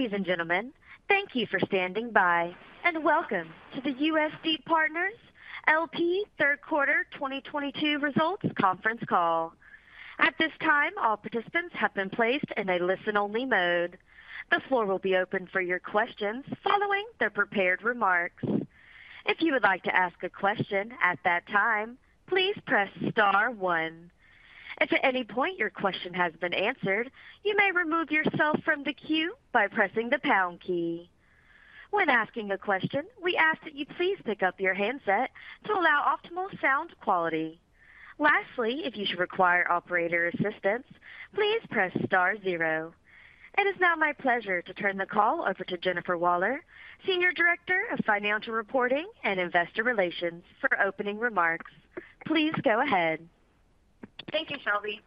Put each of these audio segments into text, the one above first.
Ladies and gentlemen, thank you for standing by, and welcome to the USD Partners LP Third Quarter 2022 Results Conference call. At this time, all participants have been placed in a listen-only mode. The floor will be open for your questions following the prepared remarks. If you would like to ask a question at that time, please press star one. If at any point your question has been answered, you may remove yourself from the queue by pressing the pound key. When asking a question, we ask that you please pick up your handset to allow optimal sound quality. Lastly, if you should require operator assistance, please press star zero. It is now my pleasure to turn the call over to Jennifer Waller, Senior Director of Financial Reporting and Investor Relations, for opening remarks. Please go ahead. Thank you, Shelby.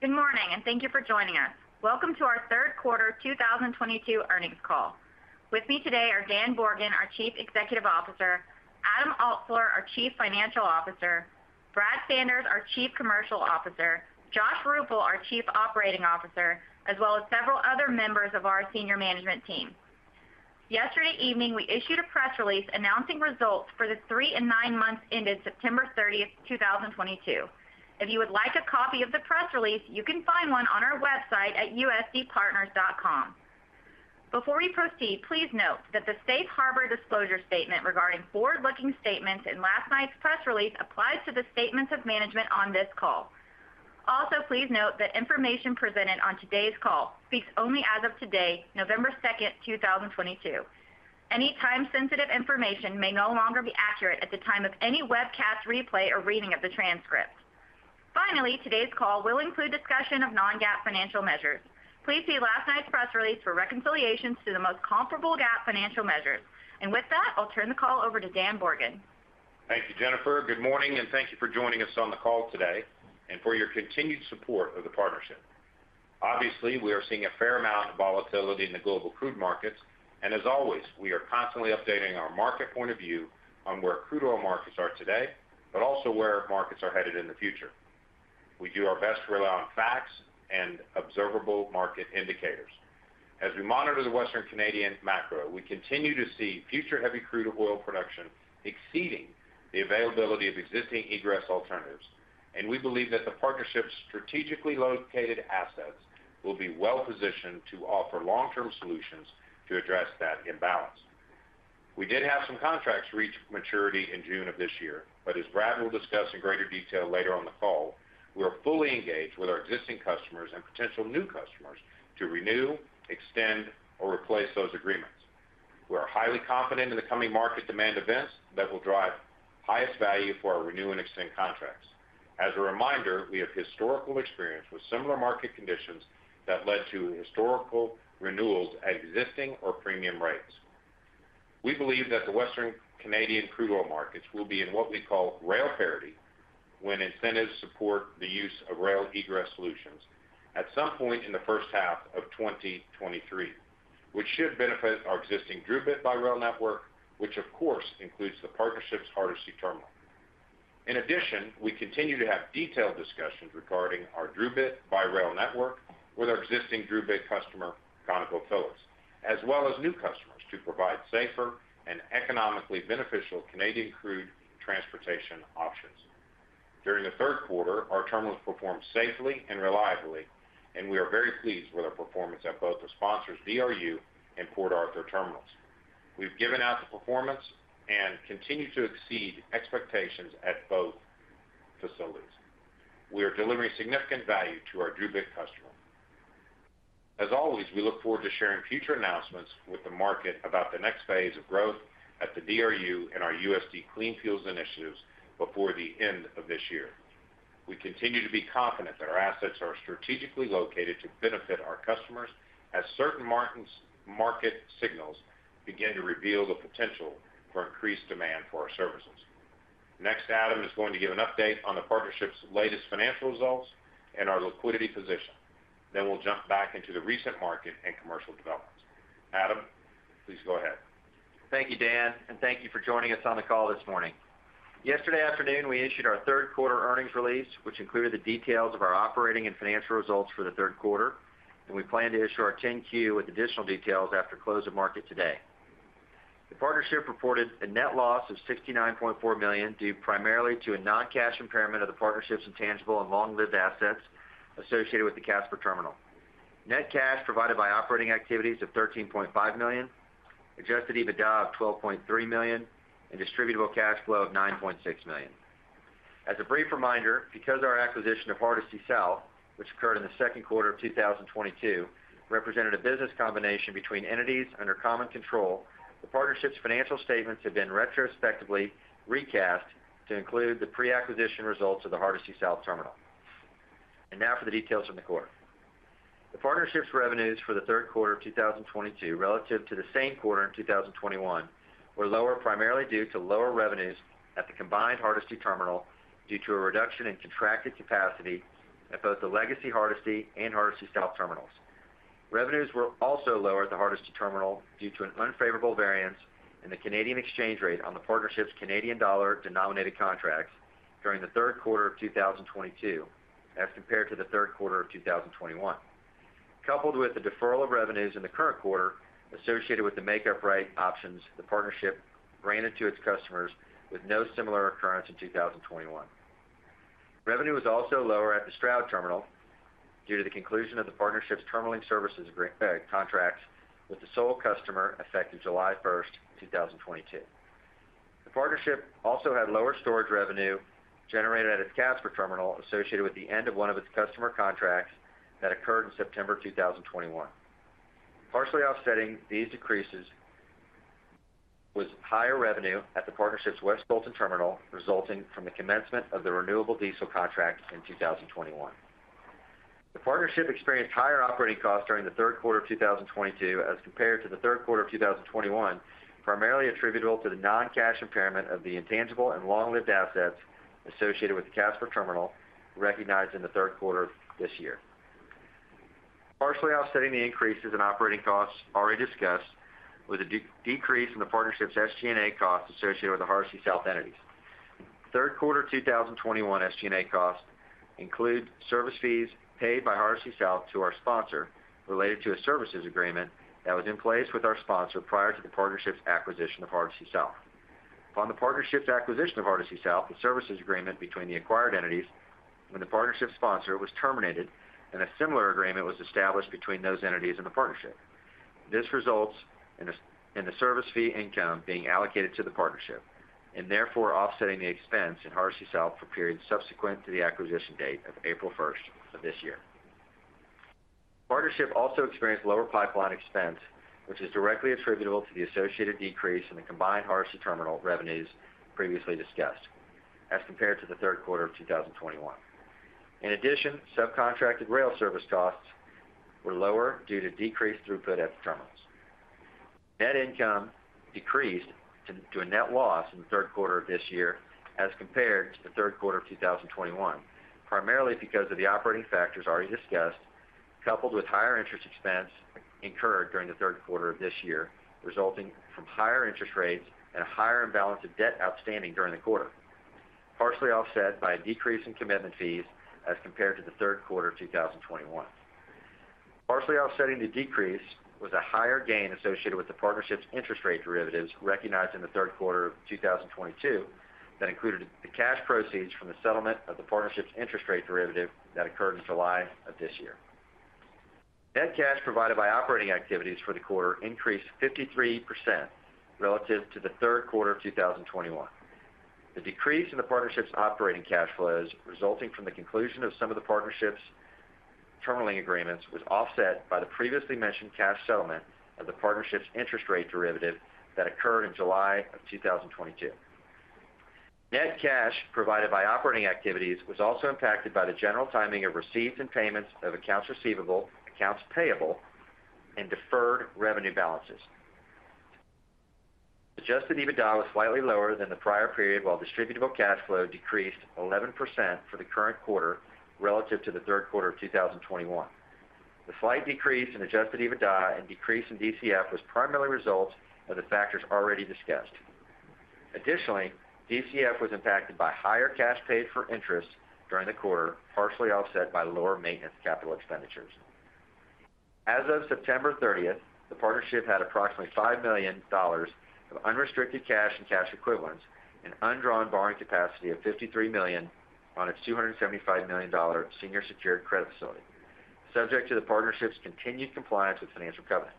Good morning, and thank you for joining us. Welcome to our third quarter 2022 earnings call. With me today are Dan Borgen, our Chief Executive Officer, Adam Altsuler, our Chief Financial Officer, Brad Sanders, our Chief Commercial Officer, Joshua Ruple, our Chief Operating Officer, as well as several other members of our senior management team. Yesterday evening, we issued a press release announcing results for the three and nine months ended September 30th, 2022. If you would like a copy of the press release, you can find one on our website at usdpartners.com. Before we proceed, please note that the Safe Harbor disclosure statement regarding forward-looking statements in last night's press release applies to the statements of management on this call. Also, please note that information presented on today's call speaks only as of today, November 2nd, 2022. Any time-sensitive information may no longer be accurate at the time of any webcast replay or reading of the transcript. Finally, today's call will include discussion of non-GAAP financial measures. Please see last night's press release for reconciliations to the most comparable GAAP financial measures. With that, I'll turn the call over to Dan Borgen. Thank you, Jennifer. Good morning, and thank you for joining us on the call today and for your continued support of the partnership. Obviously, we are seeing a fair amount of volatility in the global crude markets, and as always, we are constantly updating our market point of view on where crude oil markets are today, but also where markets are headed in the future. We do our best to rely on facts and observable market indicators. As we monitor the Western Canadian macro, we continue to see future heavy crude oil production exceeding the availability of existing egress alternatives, and we believe that the partnership's strategically located assets will be well-positioned to offer long-term solutions to address that imbalance. We did have some contracts reach maturity in June of this year, but as Brad will discuss in greater detail later on the call, we are fully engaged with our existing customers and potential new customers to renew, extend, or replace those agreements. We are highly confident in the coming market demand events that will drive highest value for our renew and extend contracts. As a reminder, we have historical experience with similar market conditions that led to historical renewals at existing or premium rates. We believe that the Western Canadian crude oil markets will be in what we call rail parity when incentives support the use of rail egress solutions at some point in the first half of 2023, which should benefit our existing DRUbit by Rail network, which of course includes the partnership's Hardisty Terminal. In addition, we continue to have detailed discussions regarding our DRUbit by Rail network with our existing DRUbit customer, ConocoPhillips, as well as new customers to provide safer and economically beneficial Canadian crude transportation options. During the third quarter, our terminals performed safely and reliably, and we are very pleased with our performance at both the sponsors DRU and Port Arthur Terminals. We've given out the performance and continue to exceed expectations at both facilities. We are delivering significant value to our DRUbit customer. As always, we look forward to sharing future announcements with the market about the next phase of growth at the DRU and our USD Clean Fuels initiatives before the end of this year. We continue to be confident that our assets are strategically located to benefit our customers as certain market signals begin to reveal the potential for increased demand for our services. Next, Adam is going to give an update on the partnership's latest financial results and our liquidity position. We'll jump back into the recent market and commercial developments. Adam, please go ahead. Thank you, Dan, and thank you for joining us on the call this morning. Yesterday afternoon, we issued our third quarter earnings release, which included the details of our operating and financial results for the third quarter, and we plan to issue our 10-Q with additional details after close of market today. The partnership reported a net loss of $69.4 million due primarily to a non-cash impairment of the partnership's intangible and long-lived assets associated with the Casper Terminal. Net cash provided by operating activities of $13.5 million, Adjusted EBITDA of $12.3 million, and distributable cash flow of $9.6 million. As a brief reminder, because our acquisition of Hardisty South, which occurred in the second quarter of 2022, represented a business combination between entities under common control. The partnership's financial statements have been retrospectively recast to include the pre-acquisition results of the Hardisty South Terminal. Now for the details from the quarter. The partnership's revenues for the third quarter of 2022 relative to the same quarter in 2021 were lower, primarily due to lower revenues at the combined Hardisty Terminal due to a reduction in contracted capacity at both the legacy Hardisty and Hardisty South Terminals. Revenues were also lower at the Hardisty Terminal due to an unfavorable variance in the Canadian exchange rate on the partnership's Canadian dollar-denominated contracts during the third quarter of 2022 as compared to the third quarter of 2021. Coupled with the deferral of revenues in the current quarter associated with the make-up rate options, the partnership granted to its customers with no similar occurrence in 2021. Revenue was also lower at the Stroud Terminal due to the conclusion of the partnership's terminaling services contracts with the sole customer effective July 1st, 2022. The partnership also had lower storage revenue generated at its Casper Terminal associated with the end of one of its customer contracts that occurred in September 2021. Partially offsetting these decreases was higher revenue at the partnership's West Colton Terminal, resulting from the commencement of the renewable diesel contract in 2021. The partnership experienced higher operating costs during the third quarter of 2022 as compared to the third quarter of 2021, primarily attributable to the non-cash impairment of the intangible and long-lived assets associated with the Casper Terminal recognized in the third quarter of this year. Partially offsetting the increases in operating costs already discussed was a decrease in the partnership's SG&A costs associated with the Hardisty South entities. Third quarter 2021 SG&A costs include service fees paid by Hardisty South to our sponsor related to a services agreement that was in place with our sponsor prior to the partnership's acquisition of Hardisty South. Upon the partnership's acquisition of Hardisty South, the services agreement between the acquired entities with the partnership's sponsor was terminated and a similar agreement was established between those entities and the partnership. This results in a service fee income being allocated to the partnership, and therefore offsetting the expense in Hardisty South for periods subsequent to the acquisition date of April 1st of this year. Partnership also experienced lower pipeline expense, which is directly attributable to the associated decrease in the combined Hardisty Terminal revenues previously discussed as compared to the third quarter of 2021. In addition, subcontracted rail service costs were lower due to decreased throughput at the terminals. Net income decreased to a net loss in the third quarter of this year as compared to the third quarter of 2021, primarily because of the operating factors already discussed, coupled with higher interest expense incurred during the third quarter of this year, resulting from higher interest rates and a higher imbalance of debt outstanding during the quarter. Partially offset by a decrease in commitment fees as compared to the third quarter of 2021. Partially offsetting the decrease was a higher gain associated with the partnership's interest rate derivatives recognized in the third quarter of 2022 that included the cash proceeds from the settlement of the partnership's interest rate derivative that occurred in July of this year. Net cash provided by operating activities for the quarter increased 53% relative to the third quarter of 2021. The decrease in the partnership's operating cash flows resulting from the conclusion of some of the partnership's terminaling agreements was offset by the previously mentioned cash settlement of the partnership's interest rate derivative that occurred in July of 2022. Net cash provided by operating activities was also impacted by the general timing of receipts and payments of accounts receivable, accounts payable, and deferred revenue balances. Adjusted EBITDA was slightly lower than the prior period, while distributable cash flow decreased 11% for the current quarter relative to the third quarter of 2021. The slight decrease in Adjusted EBITDA and decrease in DCF was primarily the result of the factors already discussed. Additionally, DCF was impacted by higher cash paid for interest during the quarter, partially offset by lower maintenance capital expenditures. As of September 30th, the partnership had approximately $5 million of unrestricted cash and cash equivalents, an undrawn borrowing capacity of $53 million on its $275 million senior secured credit facility, subject to the partnership's continued compliance with financial covenants.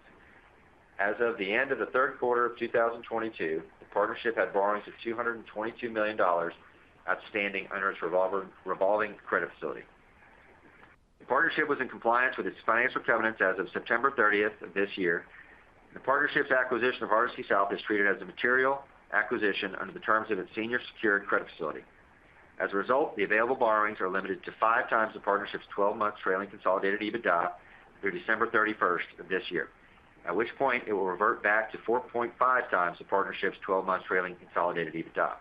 As of the end of the third quarter of 2022, the partnership had borrowings of $222 million outstanding under its revolving credit facility. The partnership was in compliance with its financial covenants as of September 30th of this year. The partnership's acquisition of Hardisty South is treated as a material acquisition under the terms of its senior secured credit facility. As a result, the available borrowings are limited to 5x the partnership's 12-month trailing Consolidated EBITDA through December 31st of this year, at which point it will revert back to 4.5x the partnership's 12-month trailing Consolidated EBITDA.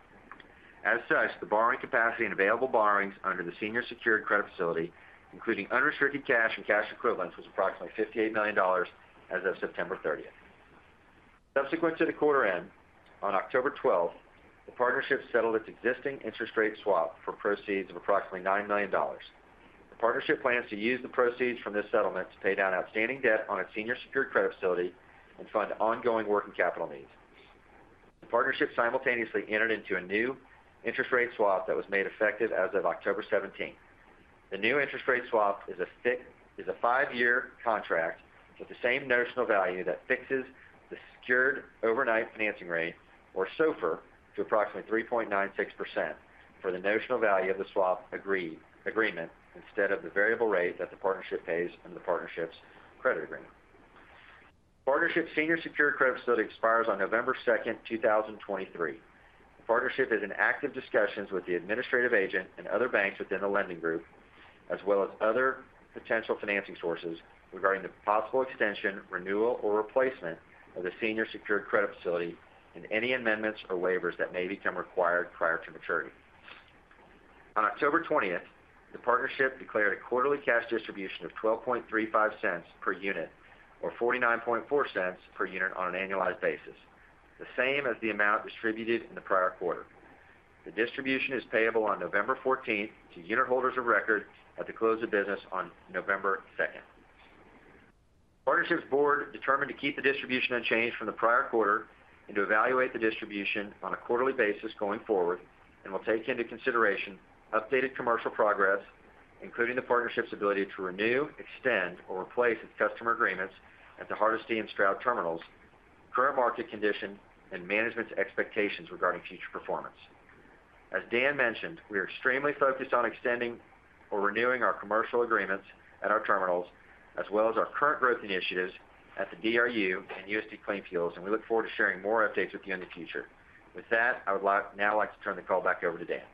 As such, the borrowing capacity and available borrowings under the senior secured credit facility, including unrestricted cash and cash equivalents, was approximately $58 million as of September 30th. Subsequent to the quarter end, on October 12th, the partnership settled its existing interest rate swap for proceeds of approximately $9 million. The partnership plans to use the proceeds from this settlement to pay down outstanding debt on its senior secured credit facility and fund ongoing working capital needs. The partnership simultaneously entered into a new interest rate swap that was made effective as of October 17th. The new interest rate swap is a five-year contract with the same notional value that fixes the Secured Overnight Financing Rate, or SOFR, to approximately 3.96% for the notional value of the swap agreement instead of the variable rate that the partnership pays under the partnership's credit agreement. The partnership's senior secured credit facility expires on November 2nd, 2023. The partnership is in active discussions with the administrative agent and other banks within the lending group, as well as other potential financing sources regarding the possible extension, renewal, or replacement of the senior secured credit facility and any amendments or waivers that may become required prior to maturity. On October 20th, the partnership declared a quarterly cash distribution of $0.1235 per unit or $0.494 per unit on an annualized basis, the same as the amount distributed in the prior quarter. The distribution is payable on November 14th to unit holders of record at the close of business on November 2nd. Partnership's board determined to keep the distribution unchanged from the prior quarter and to evaluate the distribution on a quarterly basis going forward and will take into consideration updated commercial progress, including the partnership's ability to renew, extend, or replace its customer agreements at the Hardisty and Stroud Terminals, current market condition, and management's expectations regarding future performance. As Dan mentioned, we are extremely focused on extending or renewing our commercial agreements at our terminals as well as our current growth initiatives at the DRU and USD Clean Fuels, and we look forward to sharing more updates with you in the future. With that, I would like now, like, to turn the call back over to Dan.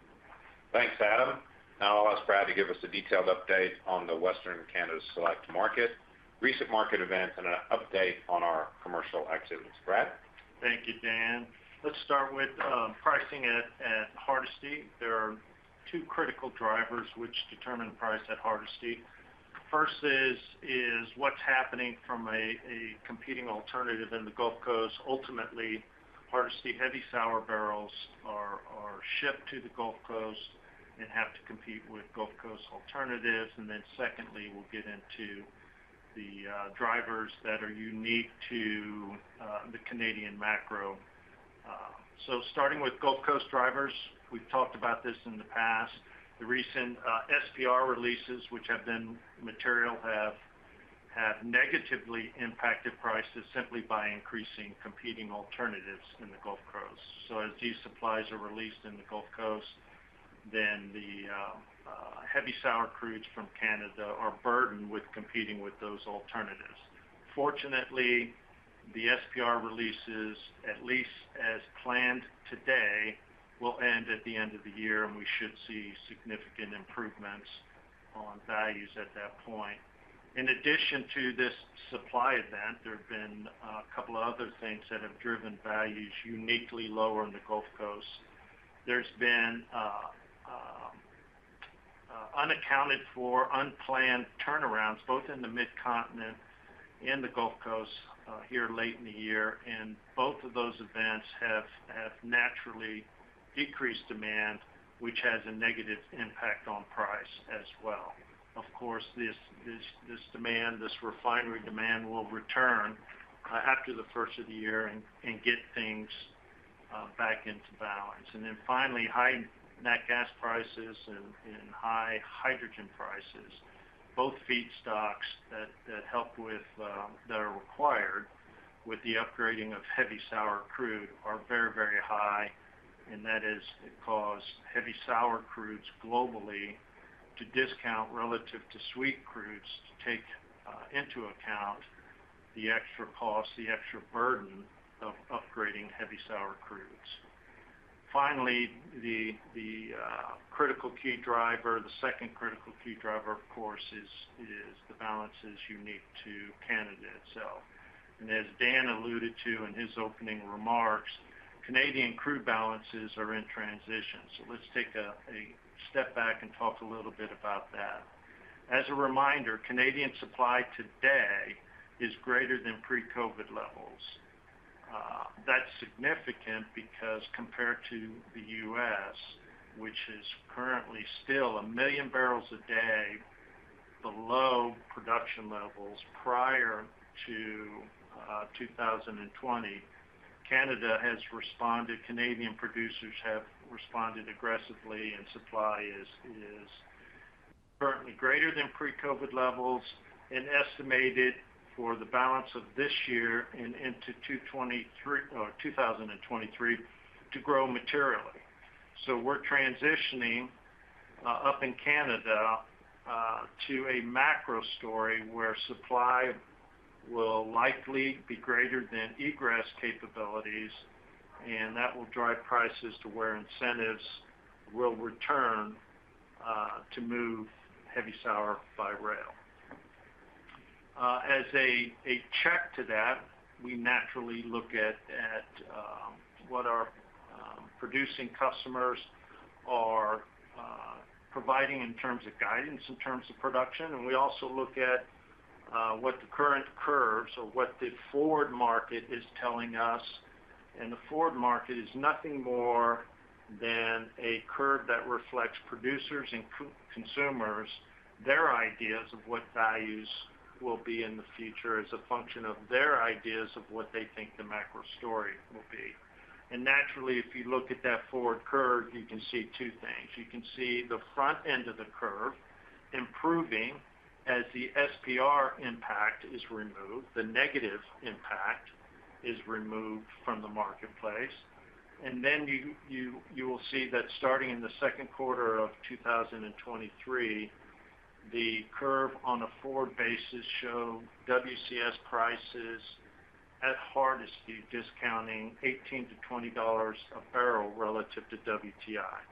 Thanks, Adam. Now I'll ask Brad to give us a detailed update on the Western Canadian Select market, recent market events, and an update on our commercial activities. Brad? Thank you, Dan. Let's start with pricing at Hardisty. There are two critical drivers which determine price at Hardisty. First is what's happening from a competing alternative in the Gulf Coast. Ultimately, Hardisty heavy sour barrels are shipped to the Gulf Coast and have to compete with Gulf Coast alternatives. Secondly, we'll get into the drivers that are unique to the Canadian macro. Starting with Gulf Coast drivers, we've talked about this in the past. The recent SPR releases, which have been material, have negatively impacted prices simply by increasing competing alternatives in the Gulf Coast. As these supplies are released in the Gulf Coast, then the heavy sour crudes from Canada are burdened with competing with those alternatives. Fortunately, the SPR releases, at least as planned today, will end at the end of the year, and we should see significant improvements on values at that point. In addition to this supply event, there have been a couple other things that have driven values uniquely lower in the Gulf Coast. There's been unaccounted for, unplanned turnarounds, both in the Mid-Continent and the Gulf Coast, here late in the year. Both of those events have naturally decreased demand, which has a negative impact on price as well. Of course, this demand, this refinery demand will return after the first of the year and get things back into balance. Then finally, high natural gas prices and high hydrogen prices, both feedstocks that help with that are required with the upgrading of heavy sour crude are very, very high. That has caused heavy sour crudes globally to discount relative to sweet crudes to take into account the extra cost, the extra burden of upgrading heavy sour crudes. Finally, the critical key driver, the second critical key driver, of course, is the balances unique to Canada itself. As Dan alluded to in his opening remarks, Canadian crude balances are in transition. Let's take a step back and talk a little bit about that. As a reminder, Canadian supply today is greater than pre-COVID levels. That's significant because compared to the U.S., which is currently still 1 MMbpd below production levels prior to 2020, Canada has responded. Canadian producers have responded aggressively, and supply is currently greater than pre-COVID levels and estimated for the balance of this year and into 2023 to grow materially. We're transitioning up in Canada to a macro story where supply will likely be greater than egress capabilities, and that will drive prices to where incentives will return to move heavy sour by rail. As a check to that, we naturally look at what our producing customers are providing in terms of guidance, in terms of production. We also look at what the current curves or what the forward market is telling us. The forward market is nothing more than a curve that reflects producers and co-consumers, their ideas of what values will be in the future as a function of their ideas of what they think the macro story will be. Naturally, if you look at that forward curve, you can see two things. You can see the front end of the curve improving as the SPR impact is removed, the negative impact is removed from the marketplace. Then you will see that starting in the second quarter of 2023, the curve on a forward basis shows WCS prices at Hardisty discounting $18-$20 a bbl relative to WTI.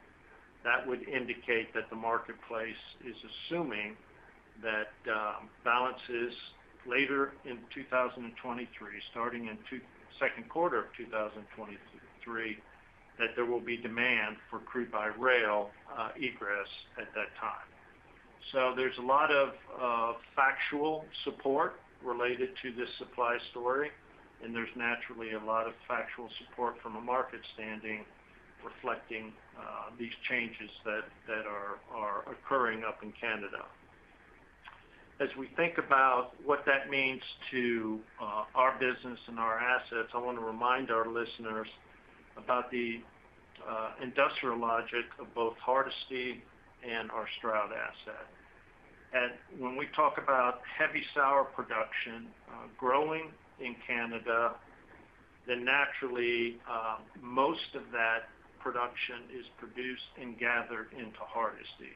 That would indicate that the marketplace is assuming balances later in 2023, starting in second quarter of 2023, that there will be demand for crude by rail egress at that time. There's a lot of factual support related to this supply story, and there's naturally a lot of factual support from a market standpoint reflecting these changes that are occurring up in Canada. As we think about what that means to our business and our assets, I wanna remind our listeners about the industrial logic of both Hardisty and our Stroud asset. When we talk about heavy sour production growing in Canada, then naturally most of that production is produced and gathered into Hardisty.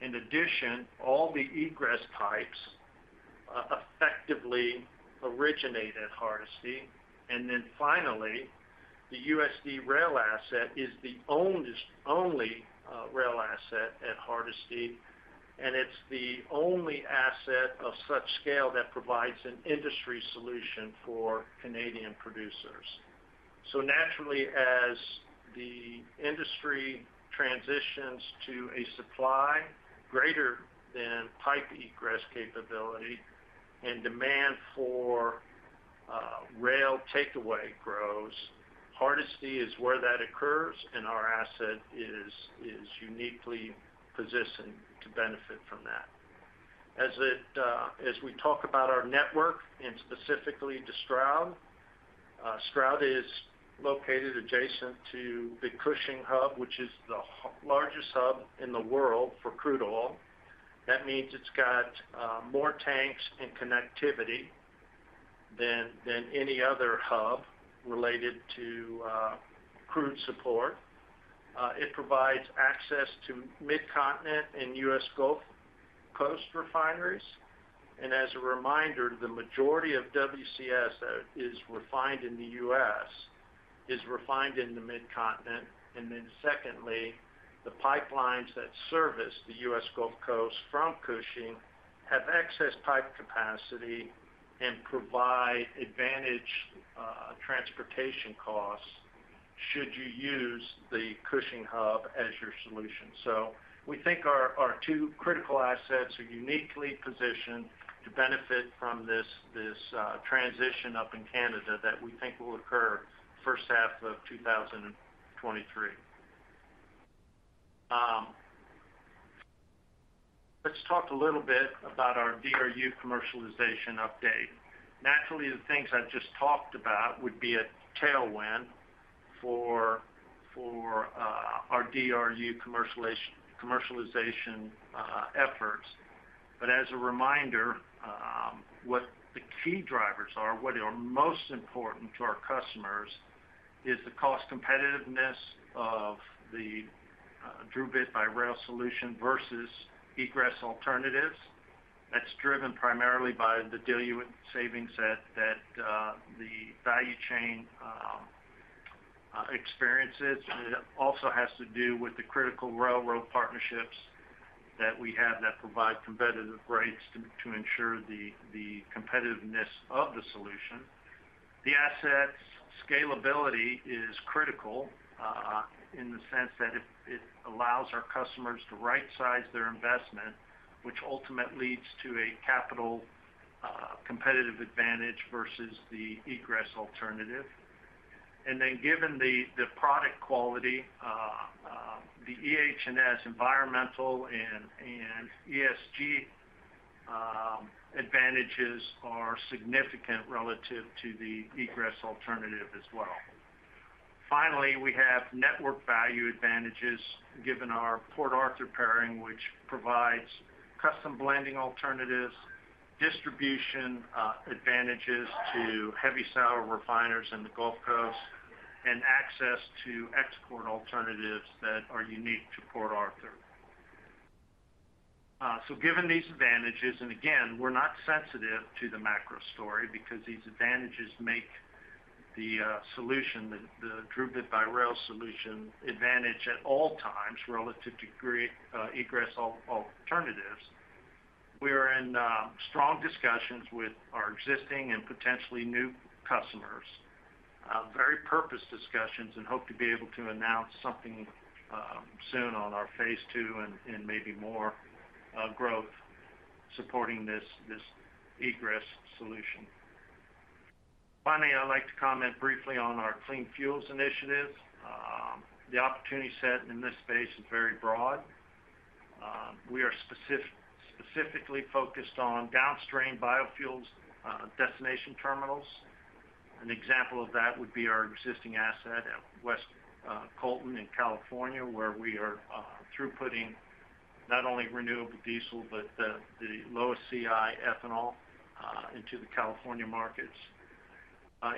In addition, all the egress pipes effectively originate at Hardisty. Finally, the USD Rail asset is the only rail asset at Hardisty, and it's the only asset of such scale that provides an industry solution for Canadian producers. Naturally, as the industry transitions to a supply greater than pipe egress capability and demand for rail takeaway grows, Hardisty is where that occurs, and our asset is uniquely positioned to benefit from that. As we talk about our network, and specifically to Stroud is located adjacent to the Cushing Hub, which is the largest hub in the world for crude oil. That means it's got more tanks and connectivity than any other hub related to crude storage. It provides access to Midcontinent and U.S. Gulf Coast refineries. As a reminder, the majority of WCS that is refined in the U.S. is refined in the Midcontinent. Secondly, the pipelines that service the U.S. Gulf Coast from Cushing have excess pipe capacity and provide advantaged transportation costs should you use the Cushing Hub as your solution. We think our two critical assets are uniquely positioned to benefit from this transition up in Canada that we think will occur first half of 2023. Let's talk a little bit about our DRU commercialization update. Naturally, the things I just talked about would be a tailwind for our DRU commercialization efforts. As a reminder, what the key drivers are, what are most important to our customers, is the cost competitiveness of the DRUbit by Rail solution versus egress alternatives. That's driven primarily by the diluent savings that the value chain experiences. It also has to do with the critical railroad partnerships that we have that provide competitive rates to ensure the competitiveness of the solution. The asset's scalability is critical in the sense that it allows our customers to right-size their investment, which ultimately leads to a capital competitive advantage versus the egress alternative. Given the product quality, the EH&S environmental and ESG advantages are significant relative to the egress alternative as well. Finally, we have network value advantages given our Port Arthur pairing, which provides custom blending alternatives, distribution advantages to heavy sour refiners in the Gulf Coast, and access to export alternatives that are unique to Port Arthur. Given these advantages, and again, we're not sensitive to the macro story because these advantages make the solution, the DRUbit by Rail solution advantageous at all times relative to egress alternatives. We are in strong discussions with our existing and potentially new customers, very purposeful discussions and hope to be able to announce something soon on our phase two and maybe more growth supporting this egress solution. Finally, I'd like to comment briefly on our clean fuels initiatives. The opportunity set in this space is very broad. We are specifically focused on downstream biofuels destination terminals. An example of that would be our existing asset at West Colton in California, where we are throughputting not only renewable diesel, but the lowest CI ethanol into the California markets.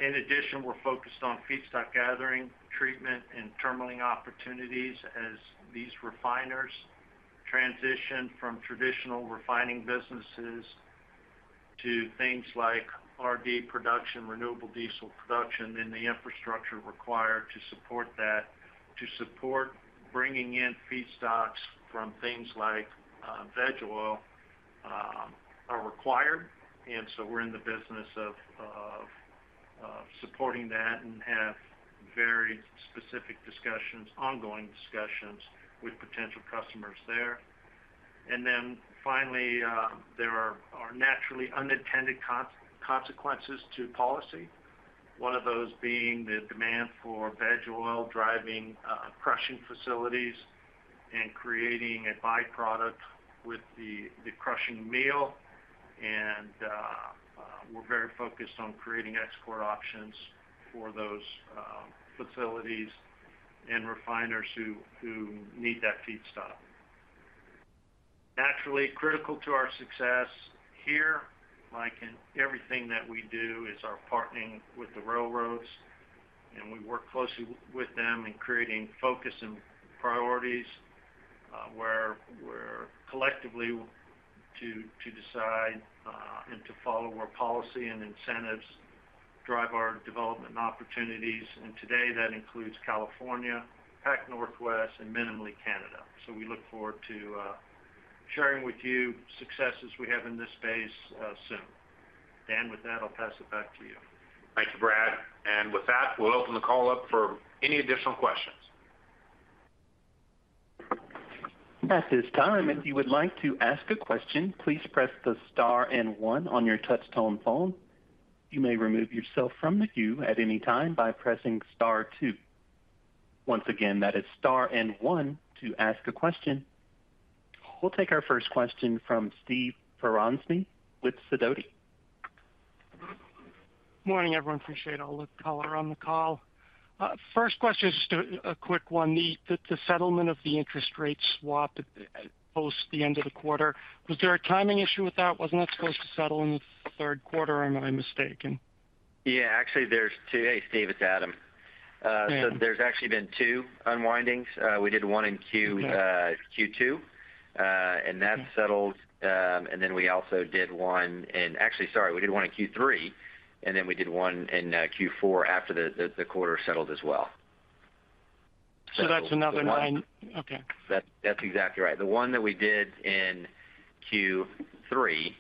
In addition, we're focused on feedstock gathering, treatment, and terminaling opportunities as these refiners transition from traditional refining businesses to things like RD production, renewable diesel production, and the infrastructure required to support that, to support bringing in feedstocks from things like veg oil are required. We're in the business of supporting that and have very specific discussions, ongoing discussions with potential customers there. Finally, there are naturally unintended consequences to policy. One of those being the demand for veg oil, driving crushing facilities and creating a by-product with the crushing meal. We're very focused on creating export options for those facilities and refiners who need that feedstock. Naturally critical to our success here, like in everything that we do, is our partnering with the railroads, and we work closely with them in creating focus and priorities, where we're collectively to decide and to follow where policy and incentives drive our development and opportunities. Today, that includes California, Pacific Northwest, and mainly Canada. We look forward to sharing with you successes we have in this space soon. Dan, with that, I'll pass it back to you. Thank you, Brad. With that, we'll open the call up for any additional questions. At this time, if you would like to ask a question, please press the star and one on your touch tone phone. You may remove yourself from the queue at any time by pressing star two. Once again, that is star and one to ask a question. We'll take our first question from Steve Ferazani with Sidoti. Morning, everyone. Appreciate all the color on the call. First question is just a quick one. The settlement of the interest rate swap after the end of the quarter, was there a timing issue with that? Wasn't that supposed to settle in the third quarter, or am I mistaken? Yeah. Actually, there's two. Hey, Steve, it's Adam. Yeah. There's actually been two unwindings. We did one in Q2 and that settled. Actually, sorry, we did one in Q3, and then we did one in Q4 after the quarter settled as well. That's another $9 million. Okay. That's exactly right. The one that we did in Q3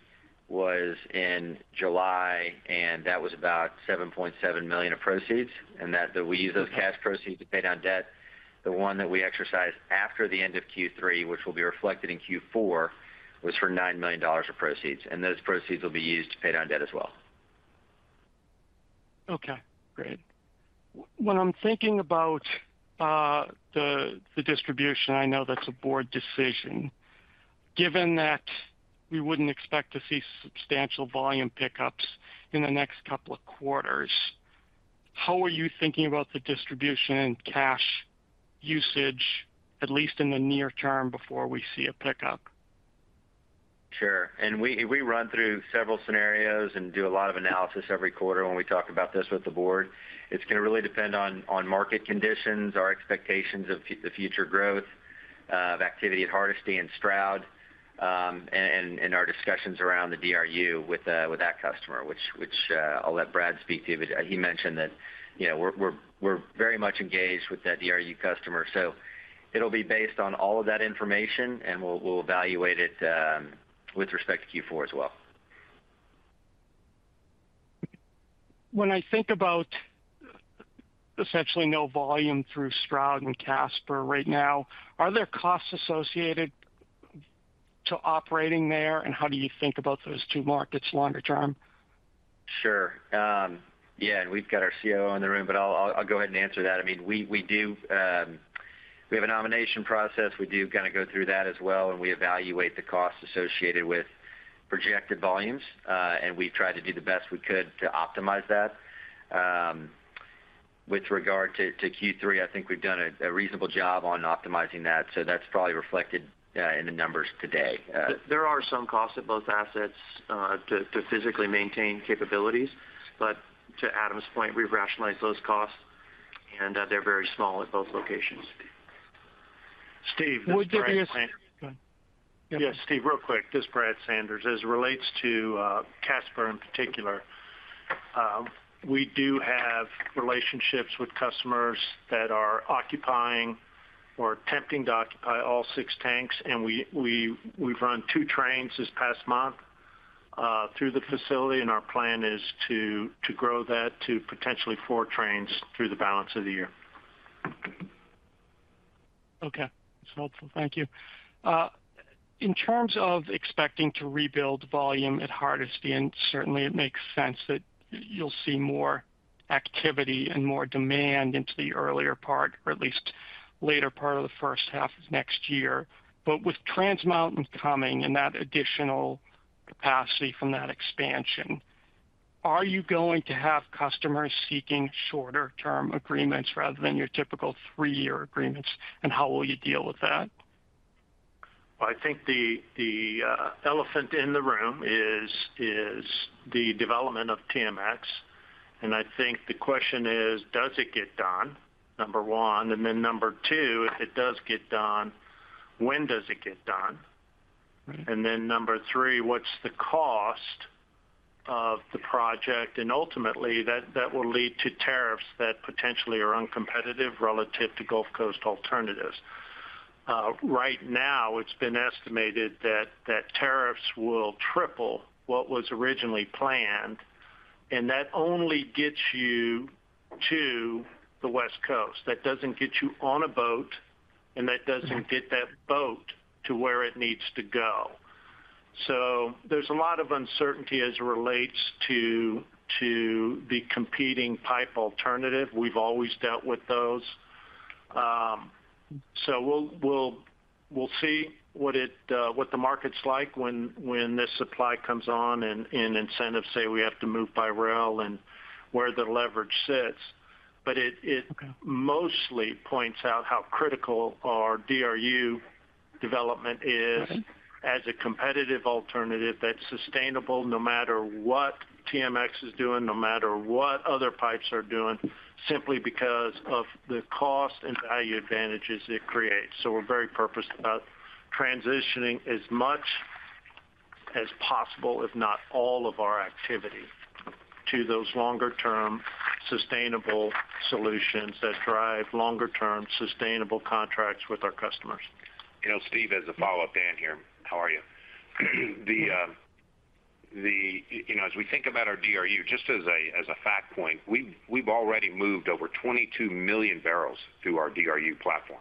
was in July, and that was about $7.7 million of proceeds, and we used those cash proceeds to pay down debt. The one that we exercised after the end of Q3, which will be reflected in Q4, was for $9 million of proceeds, and those proceeds will be used to pay down debt as well. Okay, great. When I'm thinking about the distribution, I know that's a board decision. Given that we wouldn't expect to see substantial volume pickups in the next couple of quarters, how are you thinking about the distribution and cash usage, at least in the near term before we see a pickup? Sure. We run through several scenarios and do a lot of analysis every quarter when we talk about this with the board. It's gonna really depend on market conditions, our expectations of the future growth of activity at Hardisty and Stroud, and our discussions around the DRU with that customer, which I'll let Brad speak to. He mentioned that, you know, we're very much engaged with that DRU customer. It'll be based on all of that information, and we'll evaluate it with respect to Q4 as well. When I think about essentially no volume through Stroud and Casper right now, are there costs associated to operating there? How do you think about those two markets longer term? Sure. Yeah, we've got our COO in the room, but I'll go ahead and answer that. I mean, we do have a nomination process. We do kinda go through that as well, and we evaluate the costs associated with projected volumes, and we try to do the best we could to optimize that. With regard to Q3, I think we've done a reasonable job on optimizing that. That's probably reflected in the numbers today. There are some costs at both assets to physically maintain capabilities. To Adam's point, we've rationalized those costs, and they're very small at both locations. Steve, this is Brad Sanders. Go ahead. Yeah. Yes, Steve, real quick, this is Brad Sanders. As it relates to Casper in particular, we do have relationships with customers that are occupying or attempting to occupy all six tanks, and we've run two trains this past month through the facility, and our plan is to grow that to potentially four trains through the balance of the year. Okay. That's helpful. Thank you. In terms of expecting to rebuild volume at Hardisty, and certainly it makes sense that you'll see more activity and more demand into the earlier part or at least later part of the first half of next year. But with Trans Mountain coming and that additional capacity from that expansion, are you going to have customers seeking shorter term agreements rather than your typical three-year agreements, and how will you deal with that? Well, I think the elephant in the room is the development of TMX. I think the question is, does it get done? Number one. Then number two, if it does get done, when does it get done? Then number three, what's the cost of the project? Ultimately, that will lead to tariffs that potentially are uncompetitive relative to Gulf Coast alternatives. Right now, it's been estimated that tariffs will triple what was originally planned, and that only gets you to the West Coast. That doesn't get you on a boat, and that doesn't get that boat to where it needs to go. There's a lot of uncertainty as it relates to the competing pipeline alternative. We've always dealt with those. We'll see what the market's like when this supply comes on and incentives say we have to move by rail and where the leverage sits. Mostly points out how critical our DRU development is. As a competitive alternative that's sustainable no matter what TMX is doing, no matter what other pipes are doing, simply because of the cost and value advantages it creates. We're very purposeful about transitioning as much as possible, if not all of our activity, to those longer-term sustainable solutions that drive longer-term sustainable contracts with our customers. You know, Steve, as a follow-up, Dan here. How are you? The you know, as we think about our DRU, just as a fact point, we've already moved over 22 million bbl through our DRU platform.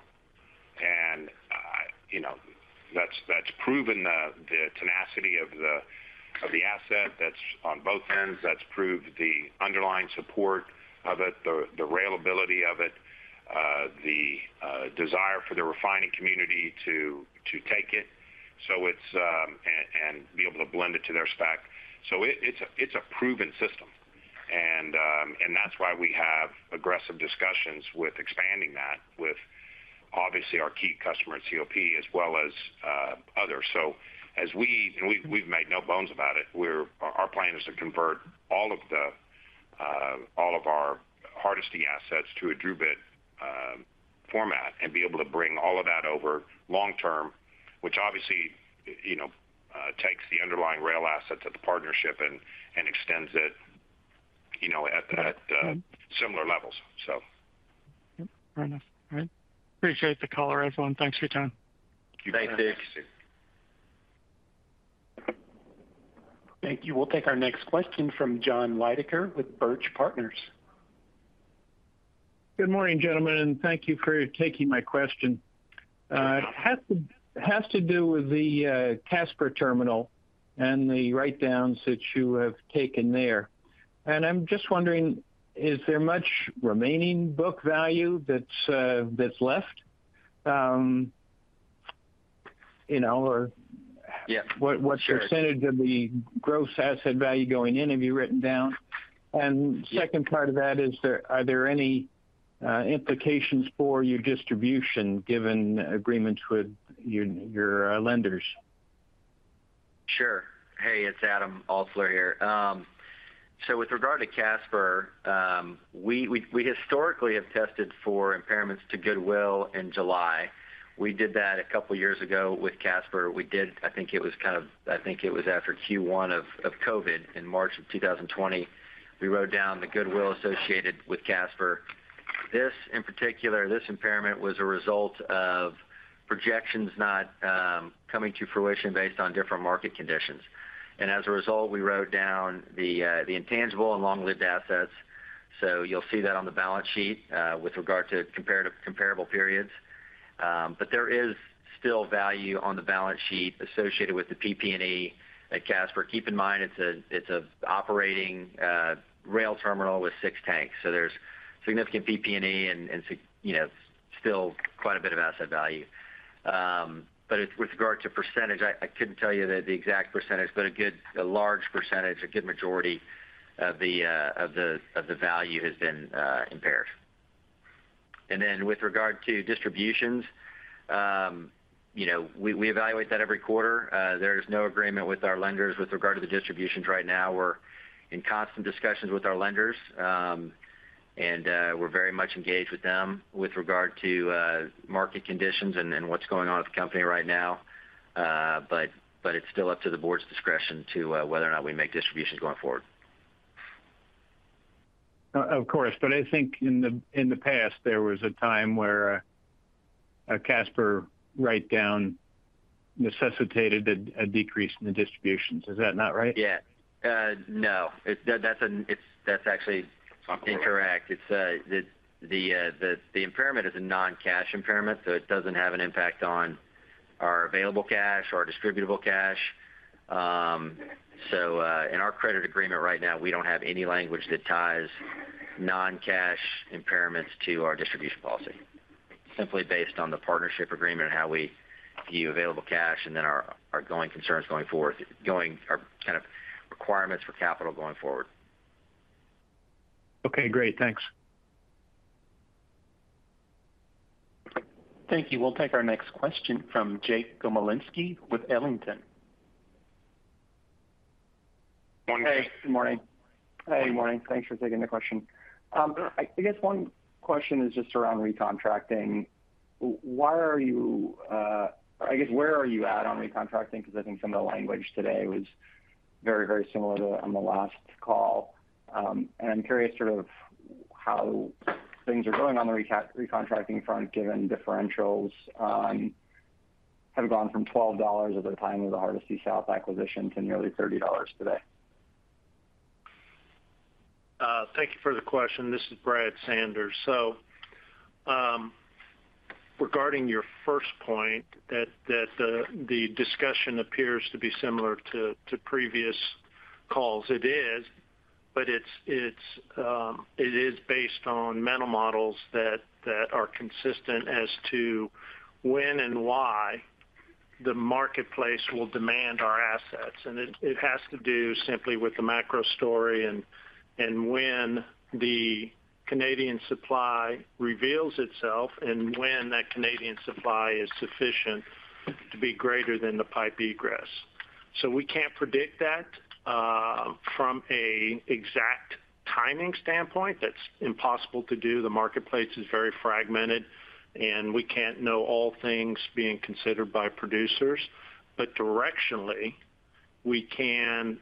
And you know, that's proven the tenacity of the asset that's on both ends. That's proved the underlying support of it, the reliability of it, the desire for the refining community to take it. So it's and be able to blend it to their spec. So it's a proven system. And that's why we have aggressive discussions with expanding that with, obviously, our key customer at COP as well as others. And we've made no bones about it. Our plan is to convert all of our Hardisty assets to a DRUbit format and be able to bring all of that over long term, which obviously, you know, takes the underlying rail assets of the partnership and extends it, you know, at similar levels, so. Yep. Fair enough. All right. Appreciate the color, everyone. Thanks for your time. Thank you. Thanks. Thank you. We'll take our next question from Jon Leidecker with Burch Partners. Good morning, gentlemen, and thank you for taking my question. It has to do with the Casper terminal and the write-downs that you have taken there. I'm just wondering, is there much remaining book value that's left, you know, or what percentage of the gross asset value going in have you written down? Second part of that, are there any implications for your distribution given agreements with your lenders? Sure. Hey, it's Adam Altsuler here. With regard to Casper, we historically have tested for impairments to goodwill in July. We did that a couple years ago with Casper. I think it was after Q1 of COVID in March of 2020. We wrote down the goodwill associated with Casper. This, in particular, impairment was a result of projections not coming to fruition based on different market conditions. As a result, we wrote down the intangible and long-lived assets. You'll see that on the balance sheet with regard to comparable periods. But there is still value on the balance sheet associated with the PP&E at Casper. Keep in mind, it's an operating rail terminal with six tanks. There's significant PP&E and you know, still quite a bit of asset value. With regard to percentage, I couldn't tell you the exact percentage, but a good, a large percentage, a good majority of the value has been impaired. With regard to distributions, you know, we evaluate that every quarter. There is no agreement with our lenders with regard to the distributions right now. We're in constant discussions with our lenders, and we're very much engaged with them with regard to market conditions and what's going on at the company right now. It's still up to the board's discretion to whether or not we make distributions going forward. Of course. I think in the past, there was a time where a Casper write-down necessitated a decrease in the distributions. Is that not right? Yeah. No, that's actually incorrect. It's the impairment is a non-cash impairment, so it doesn't have an impact on our available cash or distributable cash. In our credit agreement right now, we don't have any language that ties non-cash impairments to our distribution policy. Simply based on the partnership agreement, how we view available cash and then our going concerns going forth, our kind of requirements for capital going forward. Okay, great. Thanks. Thank you. We'll take our next question from Jake Gomolinski with Ellington. Hey, good morning. Hey, morning. Thanks for taking the question. I guess one question is just around recontracting. Why are you, I guess, where are you at on recontracting? 'Cause I think some of the language today was very, very similar to on the last call. I'm curious sort of how things are going on the recontracting front, given differentials have gone from $12 at the time of the Hardisty South acquisition to nearly $30 today. Thank you for the question. This is Brad Sanders. Regarding your first point that the discussion appears to be similar to previous calls. It is, but it is based on mental models that are consistent as to when and why the marketplace will demand our assets. It has to do simply with the macro story and when the Canadian supply reveals itself and when that Canadian supply is sufficient to be greater than the pipe egress. We can't predict that from an exact timing standpoint. That's impossible to do. The marketplace is very fragmented, and we can't know all things being considered by producers. Directionally, we can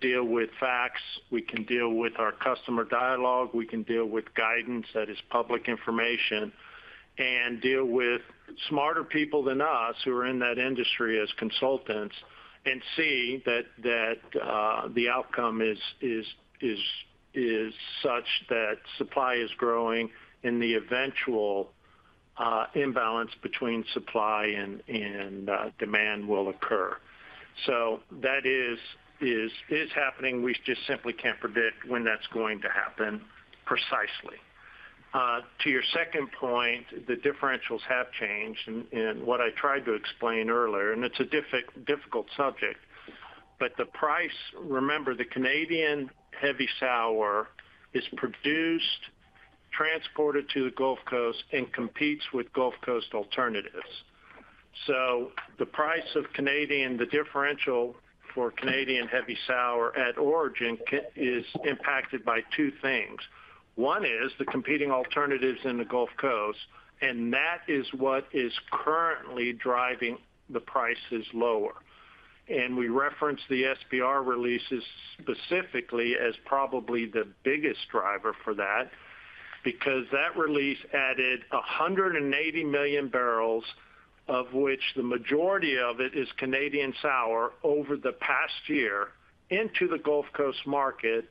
deal with facts, we can deal with our customer dialogue, we can deal with guidance that is public information, and deal with smarter people than us who are in that industry as consultants and see that the outcome is such that supply is growing and the eventual imbalance between supply and demand will occur. That is happening. We just simply can't predict when that's going to happen precisely. To your second point, the differentials have changed. What I tried to explain earlier, and it's a difficult subject, but the price. Remember, the Canadian heavy sour is produced, transported to the Gulf Coast and competes with Gulf Coast alternatives. The price of Canadian, the differential for Canadian heavy sour at origin is impacted by two things. One is the competing alternatives in the Gulf Coast, and that is what is currently driving the prices lower. We reference the SPR releases specifically as probably the biggest driver for that, because that release added 180 million bbl, of which the majority of it is Canadian sour over the past year into the Gulf Coast market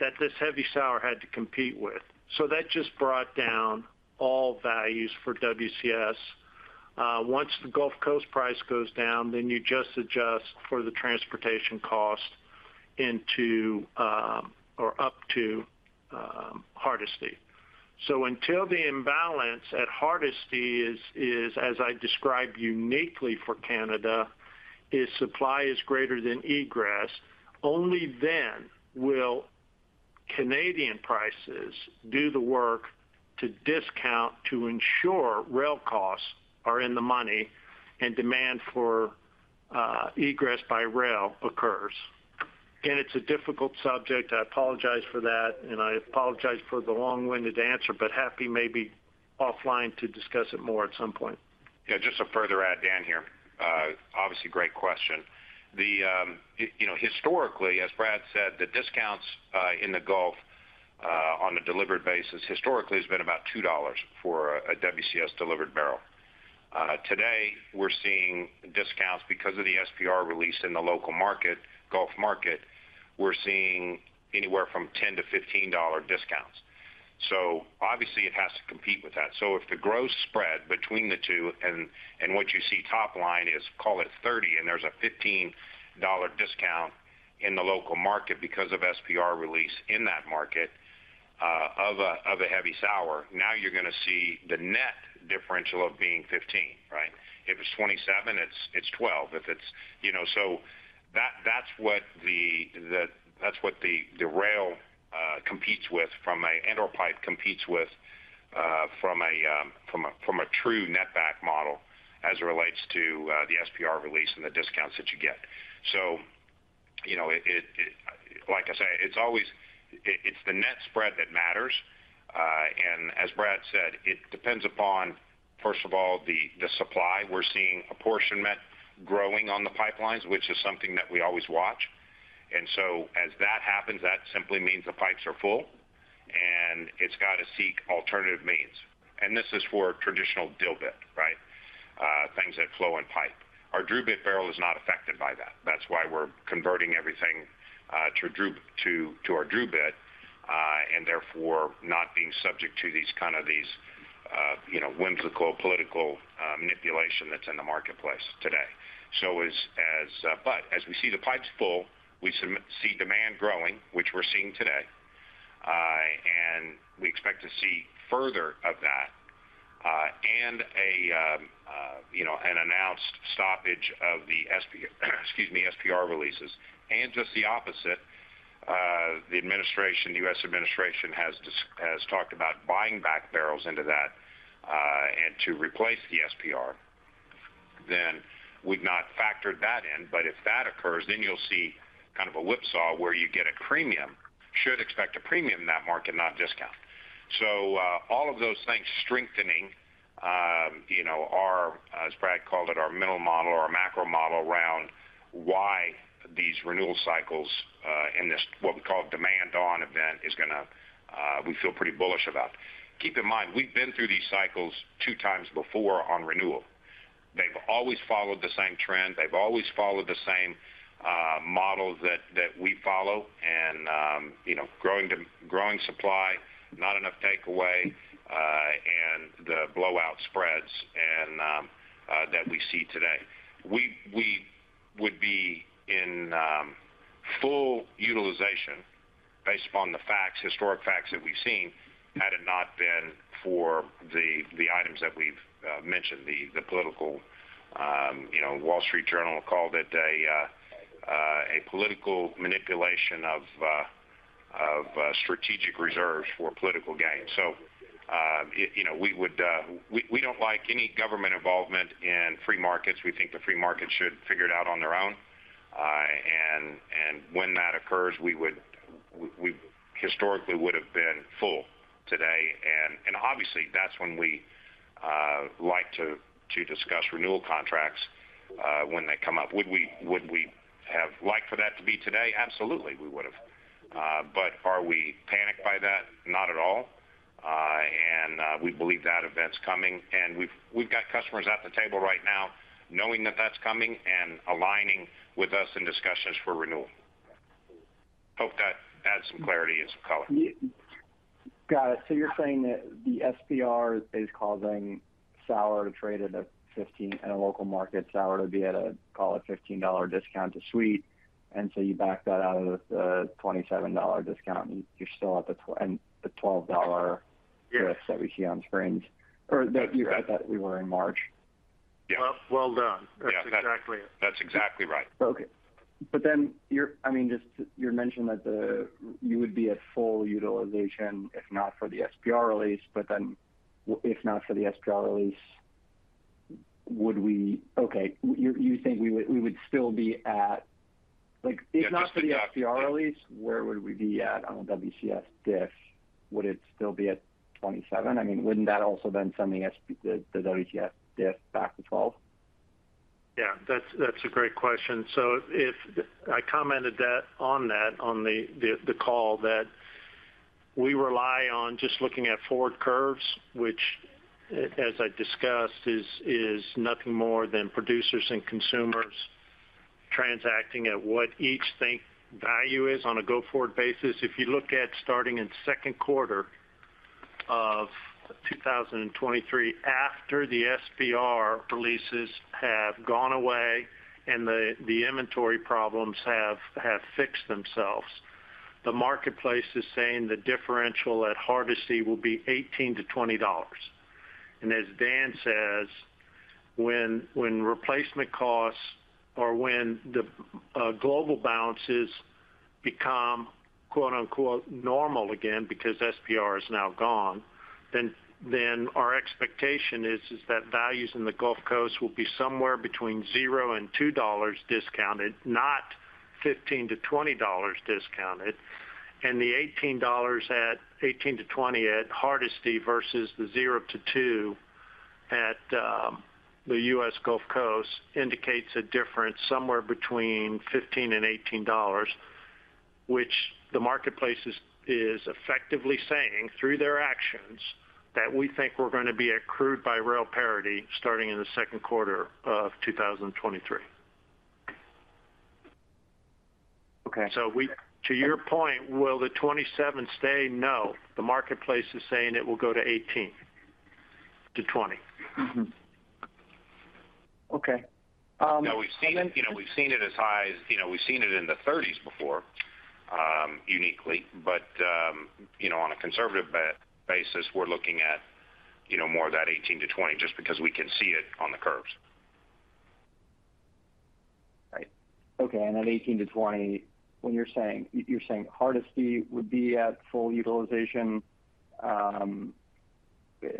that this heavy sour had to compete with. That just brought down all values for WCS. Once the Gulf Coast price goes down, then you just adjust for the transportation cost into, or up to, Hardisty. Until the imbalance at Hardisty is, as I described uniquely for Canada, supply is greater than egress, only then will Canadian prices do the work to discount to ensure rail costs are in the money and demand for egress by rail occurs. It's a difficult subject. I apologize for that, and I apologize for the long-winded answer, but happy maybe offline to discuss it more at some point. Yeah, just to further add, Dan here. Obviously, great question. You know, historically, as Brad said, the discounts in the Gulf on a delivered basis historically has been about $2 for a WCS-delivered barrel. Today we're seeing discounts because of the SPR release in the local market, Gulf market. We're seeing anywhere from $10-$15 discounts. Obviously it has to compete with that. If the gross spread between the two and what you see top line is, call it $30, and there's a $15 discount in the local market because of SPR release in that market, of a heavy sour. Now you're gonna see the net differential of being $15, right? If it's $27, it's $12. That's what the rail competes with from a and/or pipe competes with from a true net back model as it relates to the SPR release and the discounts that you get. You know, like I say, it's always the net spread that matters. As Brad said, it depends upon, first of all, the supply. We're seeing apportionment growing on the pipelines, which is something that we always watch. As that happens, that simply means the pipes are full, and it's got to seek alternative means. This is for traditional dilbit, right? Things that flow in pipe. Our DRUbit barrel is not affected by that. That's why we're converting everything to our DRUbit and therefore not being subject to these kind of you know, whimsical political manipulation that's in the marketplace today. But as we see the pipes full, we see demand growing, which we're seeing today, and we expect to see further of that, and you know, an announced stoppage of the SPR releases and just the opposite, the administration, the U.S. administration has talked about buying back barrels into that and to replace the SPR. We've not factored that in, but if that occurs, then you'll see kind of a whipsaw where you get a premium. Should expect a premium in that market, not discount. All of those things strengthening, you know, our, as Brad called it, our mental model or our macro model around why these renewal cycles, in this what we call demand on event is gonna, we feel pretty bullish about. Keep in mind, we've been through these cycles two times before on renewal. They've always followed the same trend. They've always followed the same model that we follow and, you know, growing supply, not enough takeaway, and the blowout spreads that we see today. We would be in full utilization based upon the facts, historic facts that we've seen, had it not been for the items that we've mentioned, the political, you know, Wall Street Journal called it a political manipulation of strategic reserves for political gain. You know, we don't like any government involvement in free markets. We think the free market should figure it out on their own. When that occurs, we historically would have been full today. Obviously, that's when we like to discuss renewal contracts when they come up. Would we have liked for that to be today? Absolutely, we would have. Are we panicked by that? Not at all. We believe that event's coming. We've got customers at the table right now knowing that that's coming and aligning with us in discussions for renewal. Hope that adds some clarity as to color. Got it. You're saying that the SPR is causing sour to trade at a $15 in a local market, sour to be at a, call it $15 discount to sweet. You back that out of the $27 discount, and you're still at the $12 difference that we see on screens or that you had, that we were in March. Yes. Well, well done. That's exactly it. That's exactly right. Okay. I mean, just you mentioned that you would be at full utilization if not for the SPR release. If not for the SPR release, would we be at full utilization? You think we would still be at full utilization. Like, if not for the SPR release, where would we be at on a WCS diff? Would it still be at $27? I mean, wouldn't that also then send the WCS diff back to $12? That's a great question. I commented that on the call that we rely on just looking at forward curves, which, as I discussed, is nothing more than producers and consumers transacting at what each thinks the value is on a go-forward basis. If you look at starting in second quarter of 2023, after the SPR releases have gone away and the inventory problems have fixed themselves, the marketplace is saying the differential at Hardisty will be $18-$20. As Dan says, when replacement costs or when the global balances become "normal" again because SPR is now gone, then our expectation is that values in the Gulf Coast will be somewhere between $0-$2 discounted, not $15-$20 discounted. The $18-$20 at Hardisty versus the $0-$2 at the U.S. Gulf Coast indicates a difference somewhere between $15-$18, which the marketplace is effectively saying through their actions that we think we're gonna be at crude by rail parity starting in the second quarter of 2023. To your point, will the $27 stay? No. The marketplace is saying it will go to $18-$20. Okay. Now we've seen, you know, we've seen it as high as, you know, we've seen it in the $30s before, uniquely. You know, on a conservative basis, we're looking at, you know, more of that $18-$20 just because we can see it on the curves. Right. Okay. That $18-$20, when you're saying Hardisty would be at full utilization, is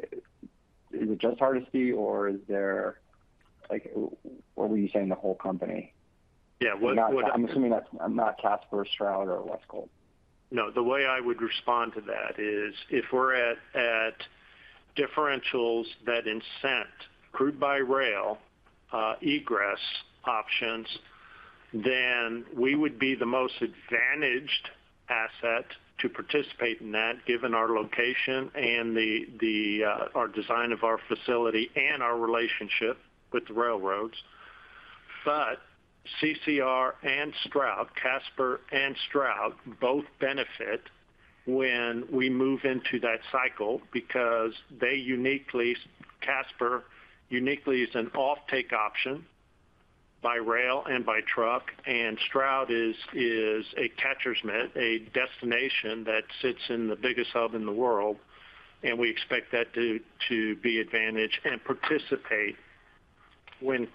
it just Hardisty or is there like, or were you saying the whole company? Yeah. What I— I'm assuming that's not Casper, Stroud, or West Colton. No. The way I would respond to that is if we're at differentials that incent crude by rail egress options, then we would be the most advantaged asset to participate in that given our location and our design of our facility and our relationship with the railroads. Casper and Stroud both benefit when we move into that cycle because Casper uniquely is an offtake option by rail and by truck, and Stroud is a catcher's mitt, a destination that sits in the biggest hub in the world, and we expect that to be advantaged and participate. When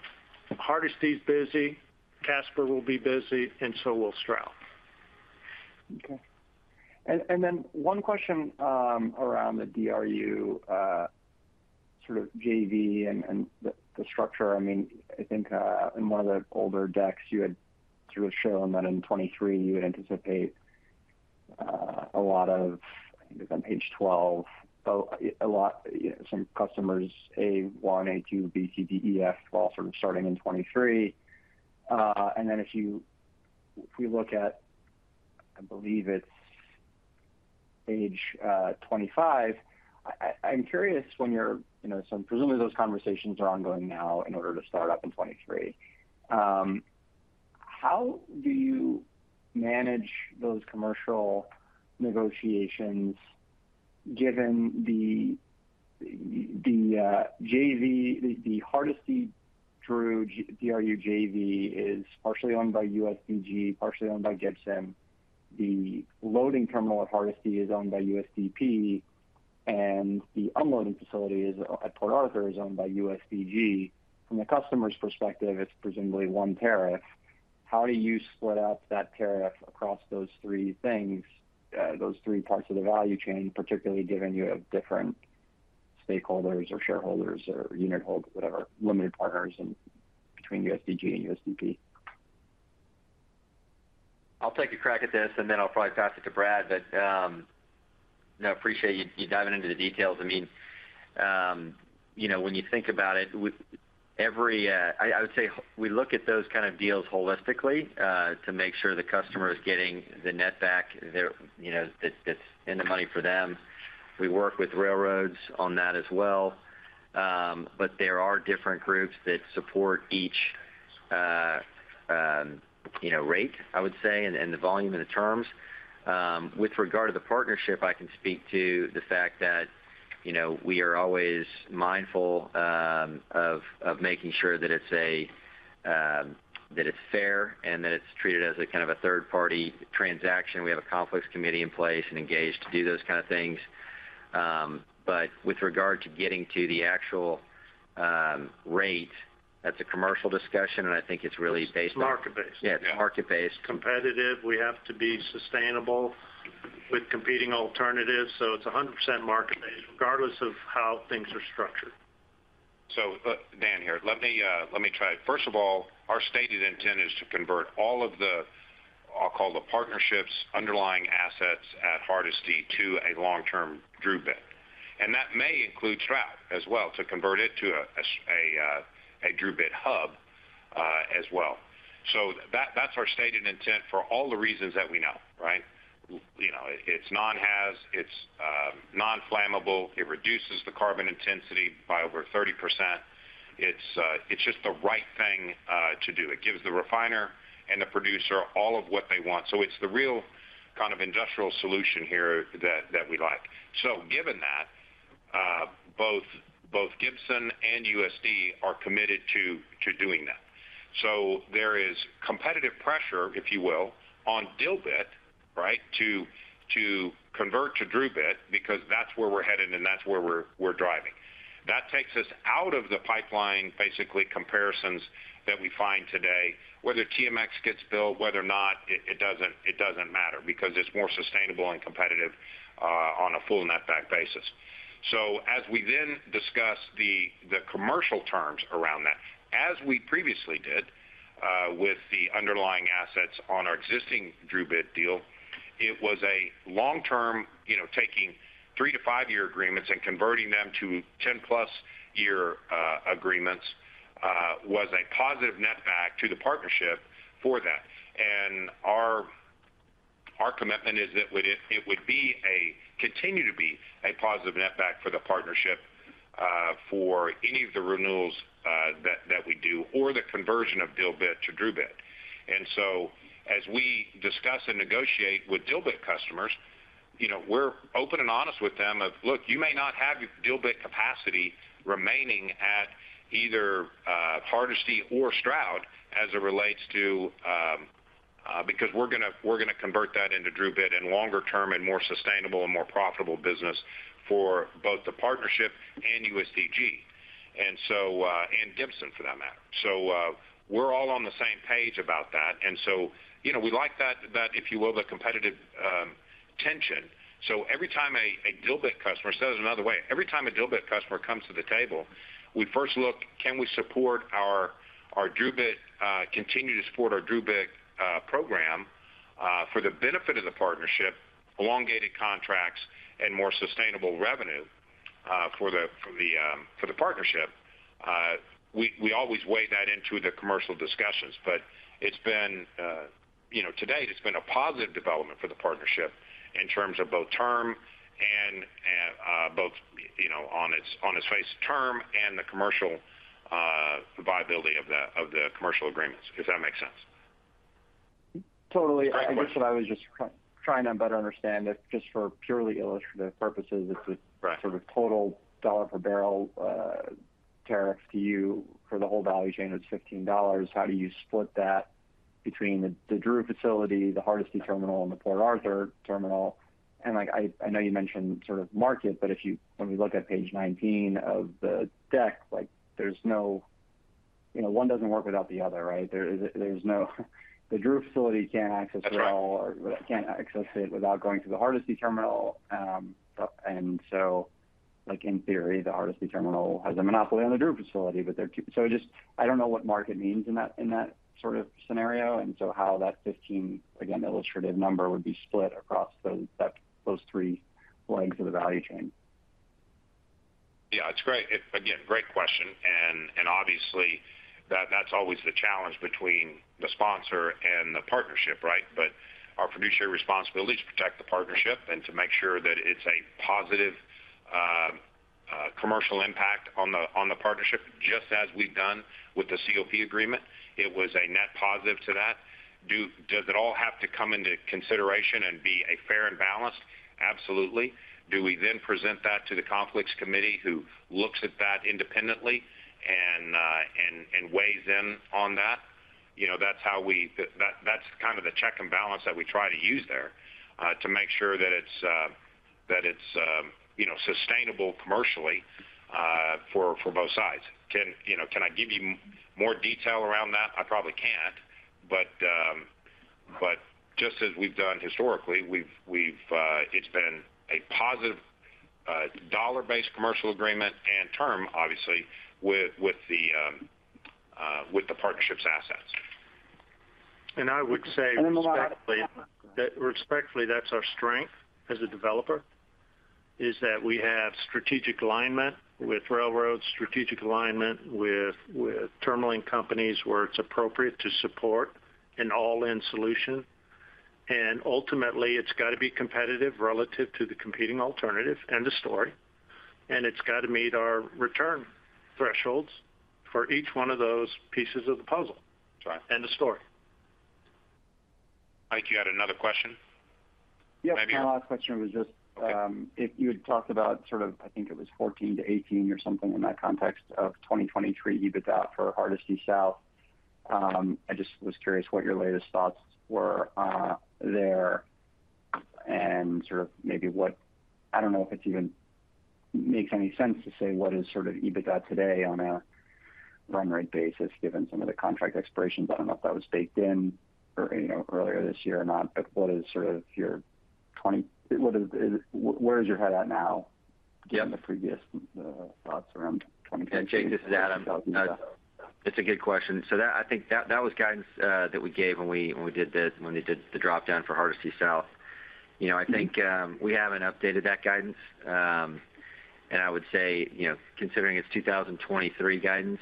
Hardisty's busy, Casper will be busy, and so will Stroud. Okay. One question around the DRU sort of JV and the structure. I mean, I think in one of the older decks, you had sort of shown that in 2023 you would anticipate a lot of, I think it's on page 12, so a lot of some customers, A1, A2, B, C, D, E, F, all sort of starting in 2023. If we look at, I believe it's page 25, I'm curious when you're, you know, so presumably those conversations are ongoing now in order to start up in 2023. How do you manage those commercial negotiations given the JV, the Hardisty DRU JV is partially owned by USDG, partially owned by Gibson. The loading terminal at Hardisty is owned by USDP, and the unloading facility at Port Arthur is owned by USDG. From the customer's perspective, it's presumably one tariff. How do you split out that tariff across those three things, those three parts of the value chain, particularly given you have different stakeholders or shareholders or unitholders, whatever, limited partners in between USDG and USDP? I'll take a crack at this, and then I'll probably pass it to Brad. You know, appreciate you diving into the details. I mean, you know, when you think about it, I would say we look at those kind of deals holistically to make sure the customer is getting the net back there, you know, that's in the money for them. We work with railroads on that as well. There are different groups that support each, you know, rate, I would say, and the volume and the terms. With regard to the partnership, I can speak to the fact that, you know, we are always mindful of making sure that it's fair and that it's treated as a kind of a third-party transaction. We have a conflicts committee in place and engaged to do those kind of things. With regard to getting to the actual rate, that's a commercial discussion, and I think it's really based on— It's market-based. Yeah, it's market-based. Competitive. We have to be sustainable with competing alternatives, so it's 100% market-based, regardless of how things are structured. Dan here. Let me try. First of all, our stated intent is to convert all of the, I'll call the partnership's underlying assets at Hardisty to a long-term DRUbit. That may include Stroud as well, to convert it to a DRUbit hub as well. That's our stated intent for all the reasons that we know, right? You know, it's non-haz, it's non-flammable, it reduces the carbon intensity by over 30%. It's just the right thing to do. It gives the refiner and the producer all of what they want. It's the real kind of industrial solution here that we like. Given that, both Gibson and USD are committed to doing that. There is competitive pressure, if you will, on dilbit, right, to convert to DRUbit because that's where we're headed, and that's where we're driving. That takes us out of the pipeline basically comparisons that we find today, whether TMX gets built, whether or not it doesn't matter because it's more sustainable and competitive on a full net back basis. As we then discuss the commercial terms around that, as we previously did with the underlying assets on our existing DRUbit deal, it was a long-term, you know, taking three- to five-year agreements and converting them to 10+ year agreements was a positive net back to the partnership for that. Our commitment is that it would continue to be a positive net back for the partnership for any of the renewals that we do or the conversion of dilbit to DRUbit. As we discuss and negotiate with dilbit customers, you know, we're open and honest with them about, "Look, you may not have dilbit capacity remaining at either Hardisty or Stroud as it relates to." Because we're gonna convert that into DRUbit in longer term and more sustainable and more profitable business for both the partnership and USDG. Gibson for that matter. We're all on the same page about that. You know, we like that, if you will, the competitive tension. Every time a dilbit customer say this another way. Every time a dilbit customer comes to the table, we first look, can we support our DRUbit, continue to support our DRUbit program, for the benefit of the partnership, elongated contracts, and more sustainable revenue, for the partnership. We always weigh that into the commercial discussions, but it's been, you know, to date, it's been a positive development for the partnership in terms of both term and both, you know, on its face term and the commercial viability of the commercial agreements, if that makes sense. Totally. I guess what I was just trying to better understand if just for purely illustrative purposes, if the sort of total dollar per barrel tariff to you for the whole value chain is $15, how do you split that between the DRU facility, the Hardisty terminal, and the Port Arthur terminal? Like, I know you mentioned sort of market, but when we look at page 19 of the deck, like there's no. You know, one doesn't work without the other, right? There's no— The DRU facility can't access at all. That's right. Can't access it without going through the Hardisty terminal. Like in theory, the Hardisty terminal has a monopoly on the DRU facility. I don't know what market means in that sort of scenario, and so how tha$t 15, again, illustrative number would be split across those three legs of the value chain. Yeah. It's great. Again, great question. Obviously that's always the challenge between the sponsor and the partnership, right? Our fiduciary responsibility is to protect the partnership and to make sure that it's a positive commercial impact on the partnership, just as we've done with the COP agreement. It was a net positive to that. Does it all have to come into consideration and be fair and balanced? Absolutely. Do we then present that to the conflicts committee who looks at that independently and weighs in on that? You know, that's how that's kind of the check and balance that we try to use there to make sure that it's you know sustainable commercially for both sides. You know, can I give you more detail around that? I probably can't. Just as we've done historically, it's been a positive dollar-based commercial agreement and term, obviously, with the partnership's assets. I would say respectfully. And then the last— That respectfully, that's our strength as a developer, is that we have strategic alignment with railroads, strategic alignment with terminaling companies where it's appropriate to support an all-in solution. Ultimately, it's got to be competitive relative to the competing alternative end of story, and it's got to meet our return thresholds for each one of those pieces of the puzzle. That's right. End of story. Jake, you had another question? Yes. My last question was just, if you had talked about sort of, I think it was $14-$18 or something in that context of 2023 EBITDA for Hardisty South. I just was curious what your latest thoughts were, there and sort of maybe what I don't know if it even makes any sense to say what is sort of EBITDA today on a run rate basis, given some of the contract expirations. I don't know if that was baked in or, you know, earlier this year or not, but where is your head at now? Given the previous thoughts around 2023. Yeah. Jake, this is Adam. It's a good question. That I think that was guidance that we gave when we did the dropdown for Hardisty South. You know, I think we haven't updated that guidance. I would say, you know, considering it's 2023 guidance,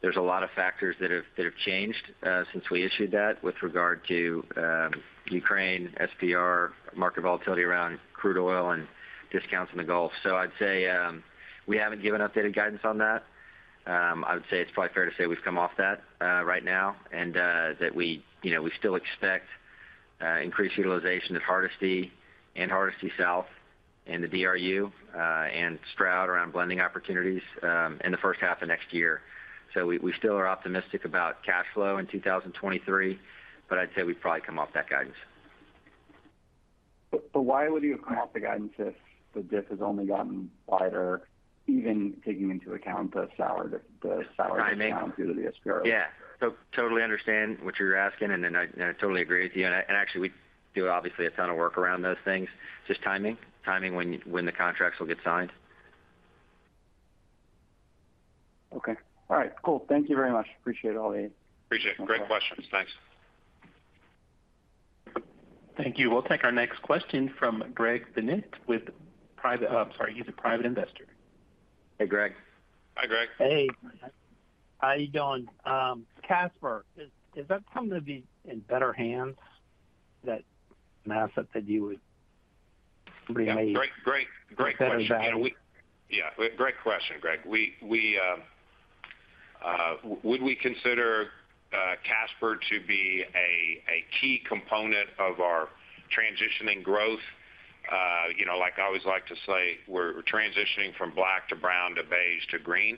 there's a lot of factors that have changed since we issued that with regard to Ukraine, SPR, market volatility around crude oil and discounts in the Gulf. I'd say we haven't given updated guidance on that. I would say it's probably fair to say we've come off that, right now, and that we, you know, we still expect increased utilization at Hardisty and Hardisty South and the DRU and Stroud around blending opportunities, in the first half of next year. We still are optimistic about cash flow in 2023, but I'd say we've probably come off that guidance. Why would you have come off the guidance if the diff has only gotten wider, even taking into account the sour discountdue to the SPR. Yeah. Totally understand what you're asking, and then I totally agree with you. Actually we do obviously a ton of work around those things. Just timing when the contracts will get signed. Okay. All right. Cool. Thank you very much. Appreciate all the Appreciate it. Great questions. Thanks. Thank you. We'll take our next question from Greg Bennett. I'm sorry. He's a private investor. Hey, Greg. Hi, Greg. Hey. How you doing? Casper, is that something to be in better hands, that asset that you would remain? Yeah. Great question. Better value. You know, yeah. Great question, Gregg. Would we consider Casper to be a key component of our transitioning growth? You know, like I always like to say, we're transitioning from black to brown to beige to green.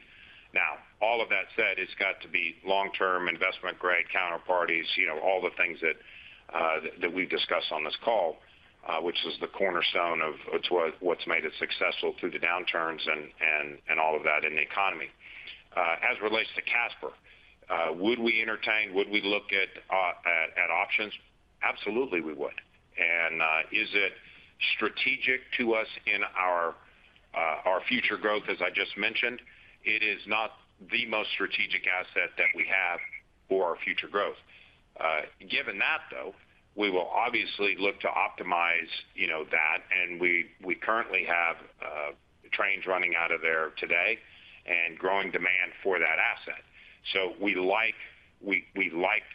Now, all of that said, it's got to be long-term, investment-grade counterparties, you know, all the things that we've discussed on this call, which is the cornerstone of what's made it successful through the downturns and all of that in the economy. As it relates to Casper, would we entertain, would we look at options? Absolutely, we would. Is it strategic to us in our future growth? As I just mentioned, it is not the most strategic asset that we have for our future growth. Given that, though, we will obviously look to optimize, you know, that, and we currently have trains running out of there today and growing demand for that asset. We like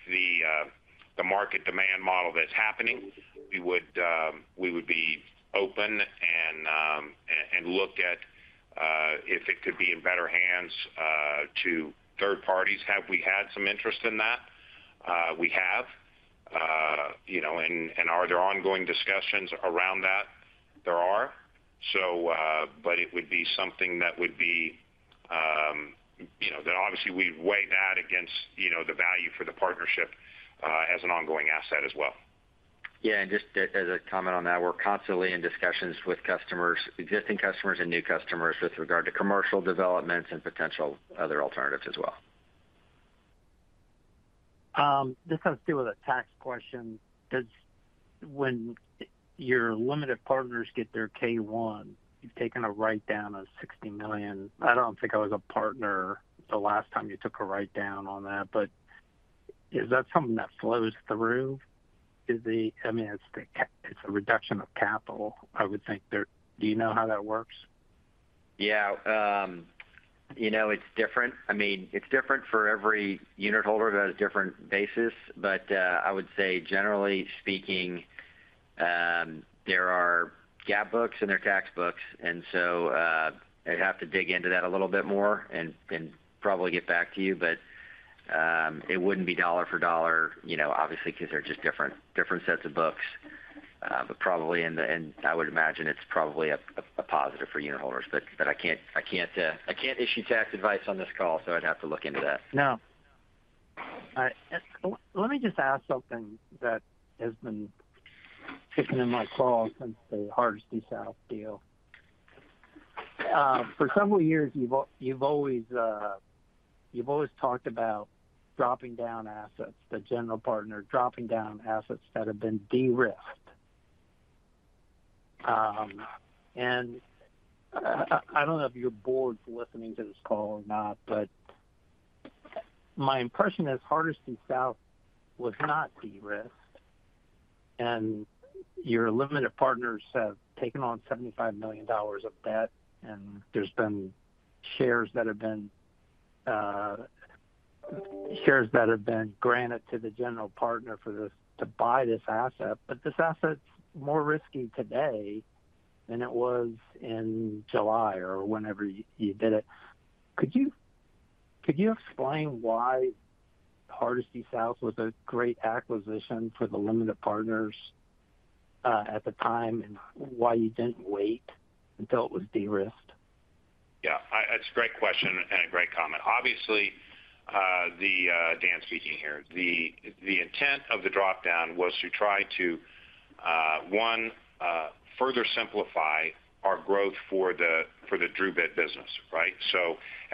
the market demand model that's happening. We would be open and look at if it could be in better hands to third parties. Have we had some interest in that? We have. You know, and are there ongoing discussions around that? There are. But it would be something that would be, you know, that obviously we'd weigh that against, you know, the value for the partnership, as an ongoing asset as well. Yeah. Just as a comment on that, we're constantly in discussions with customers, existing customers and new customers with regard to commercial developments and potential other alternatives as well. This has to do with a tax question. When your limited partners get their K-1, you've taken a write-down of $60 million. I don't think I was a partner the last time you took a write-down on that. Is that something that flows through? I mean, it's a reduction of capital, I would think there. Do you know how that works? Yeah. You know, it's different. I mean, it's different for every unit holder that has different basis. I would say generally speaking, there are GAAP books and their tax books. I'd have to dig into that a little bit more and probably get back to you. It wouldn't be dollar for dollar, you know, obviously, because they're just different sets of books. Probably in the end, I would imagine it's probably a positive for unit holders. I can't issue tax advice on this call, so I'd have to look into that. No. All right. Let me just ask something that has been kicking in my crawl since the Hardisty South deal. For several years, you've always talked about dropping down assets, the general partner dropping down assets that have been de-risked. I don't know if your board's listening to this call or not, but my impression is Hardisty South was not de-risked. Your limited partners have taken on $75 million of debt, and there's been shares that have been granted to the general partner for this to buy this asset. This asset's more risky today than it was in July or whenever you did it. Could you explain why Hardisty South was a great acquisition for the limited partners at the time and why you didn't wait until it was de-risked? Yeah. That's a great question and a great comment. Obviously, the intent of the dropdown was to try to further simplify our growth for the DRUbit business, right?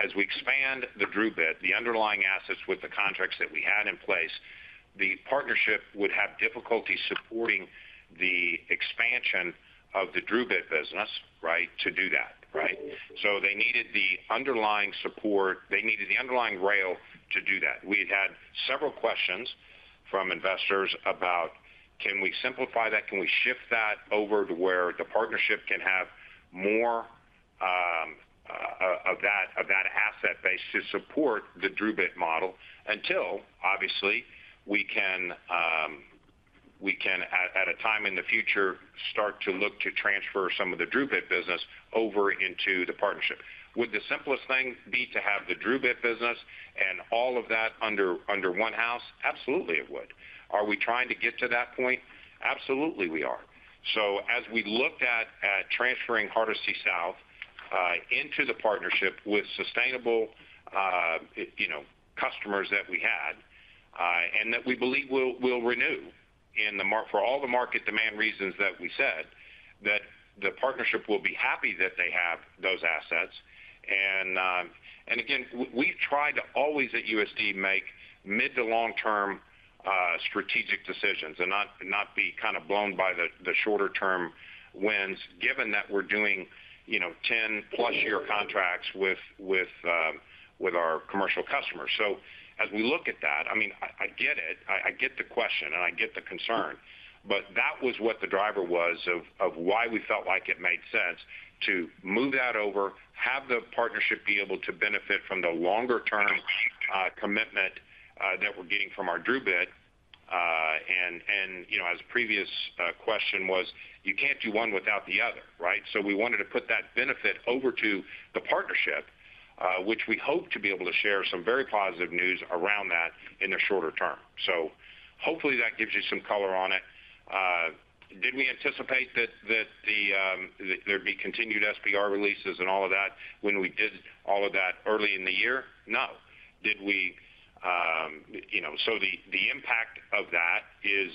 As we expand the DRUbit, the underlying assets with the contracts that we had in place, the partnership would have difficulty supporting the expansion of the DRUbit business, right, to do that, right? They needed the underlying support. They needed the underlying rail to do that. We had had several questions from investors about can we simplify that? Can we shift that over to where the partnership can have more of that asset base to support the DRUbit model until, obviously, we can at a time in the future, start to look to transfer some of the DRUbit business over into the partnership. Would the simplest thing be to have the DRUbit business and all of that under one house? Absolutely, it would. Are we trying to get to that point? Absolutely, we are. As we looked at transferring Hardisty South into the partnership with sustainable, you know, customers that we had and that we believe will renew for all the market demand reasons that we said, that the partnership will be happy that they have those assets. Again, we've tried to always at USD make mid- to long-term strategic decisions and not be kind of blown by the shorter-term wins, given that we're doing, you know, 10+ year contracts with our commercial customers. As we look at that, I mean, I get it. I get the concern. That was what the driver was of why we felt like it made sense to move that over, have the partnership be able to benefit from the longer-term commitment that we're getting from our DRUbit. You know, as previous question was, you can't do one without the other, right? We wanted to put that benefit over to the partnership, which we hope to be able to share some very positive news around that in the shorter term. Hopefully that gives you some color on it. Did we anticipate that there'd be continued SPR releases and all of that when we did all of that early in the year? No. You know, the impact of that is,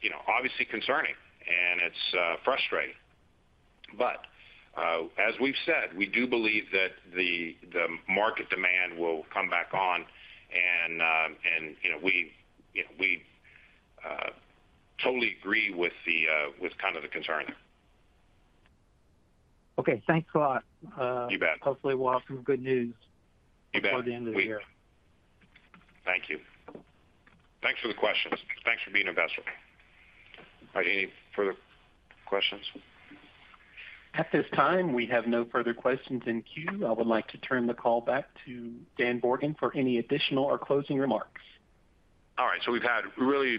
you know, obviously concerning and it's frustrating. As we've said, we do believe that the market demand will come back on and, you know, we totally agree with kind of the concern. Okay, thanks a lot. You bet. Hopefully, we'll have some good news before the end of the year. Thank you. Thanks for the questions. Thanks for being an investor. Are there any further questions? At this time, we have no further questions in queue. I would like to turn the call back to Dan Borgen for any additional or closing remarks. All right. We've had really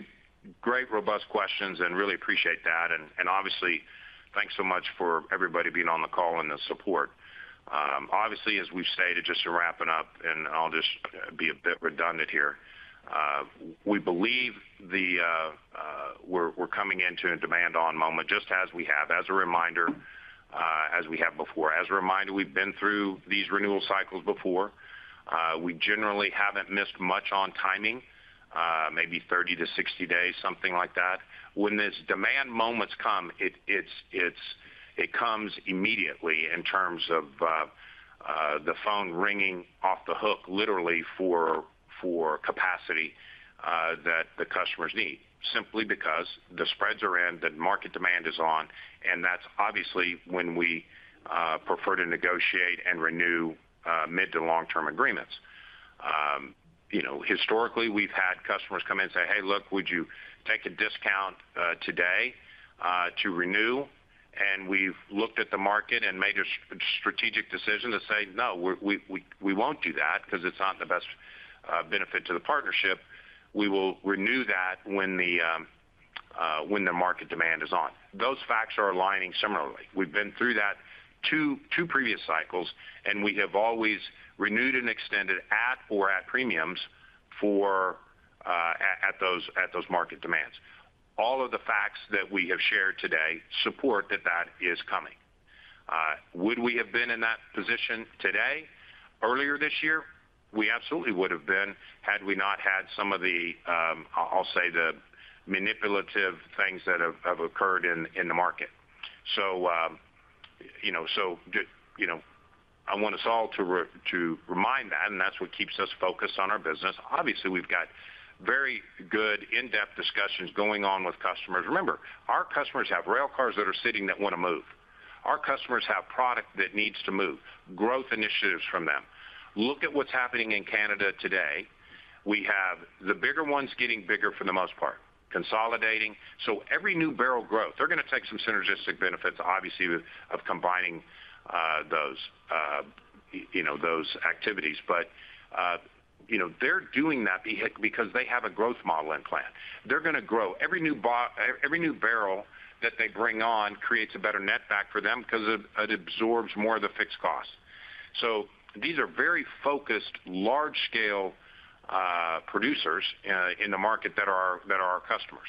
great robust questions and really appreciate that. Obviously, thanks so much for everybody being on the call and the support. Obviously, as we've stated, just to wrap it up, I'll just be a bit redundant here. We believe we're coming into a demanding moment, just as we have. As a reminder, as we have before. As a reminder, we've been through these renewal cycles before. We generally haven't missed much on timing, maybe 30-60 days, something like that. When this demand moments come, it comes immediately in terms of the phone ringing off the hook, literally for capacity that the customers need, simply because the spreads are in, the market demand is on, and that's obviously when we prefer to negotiate and renew mid to long-term agreements. You know, historically, we've had customers come in and say, "Hey, look, would you take a discount today to renew?" We've looked at the market and made a strategic decision to say, "No, we won't do that because it's not in the best benefit to the partnership. We will renew that when the market demand is on." Those facts are aligning similarly. We've been through that two previous cycles, and we have always renewed and extended at or at premiums for those market demands. All of the facts that we have shared today support that is coming. Would we have been in that position today? Earlier this year? We absolutely would have been had we not had some of the, I'll say the manipulative things that have occurred in the market. You know, I want us all to remind that, and that's what keeps us focused on our business. Obviously, we've got very good in-depth discussions going on with customers. Remember, our customers have rail cars that are sitting that wanna move. Our customers have product that needs to move, growth initiatives from them. Look at what's happening in Canada today. We have the bigger ones getting bigger for the most part, consolidating. Every new barrel growth, they're gonna take some synergistic benefits, obviously, of combining those, you know, those activities. They're doing that because they have a growth model in plan. They're gonna grow. Every new barrel that they bring on creates a better netback for them because it absorbs more of the fixed cost. These are very focused large scale producers in the market that are our customers.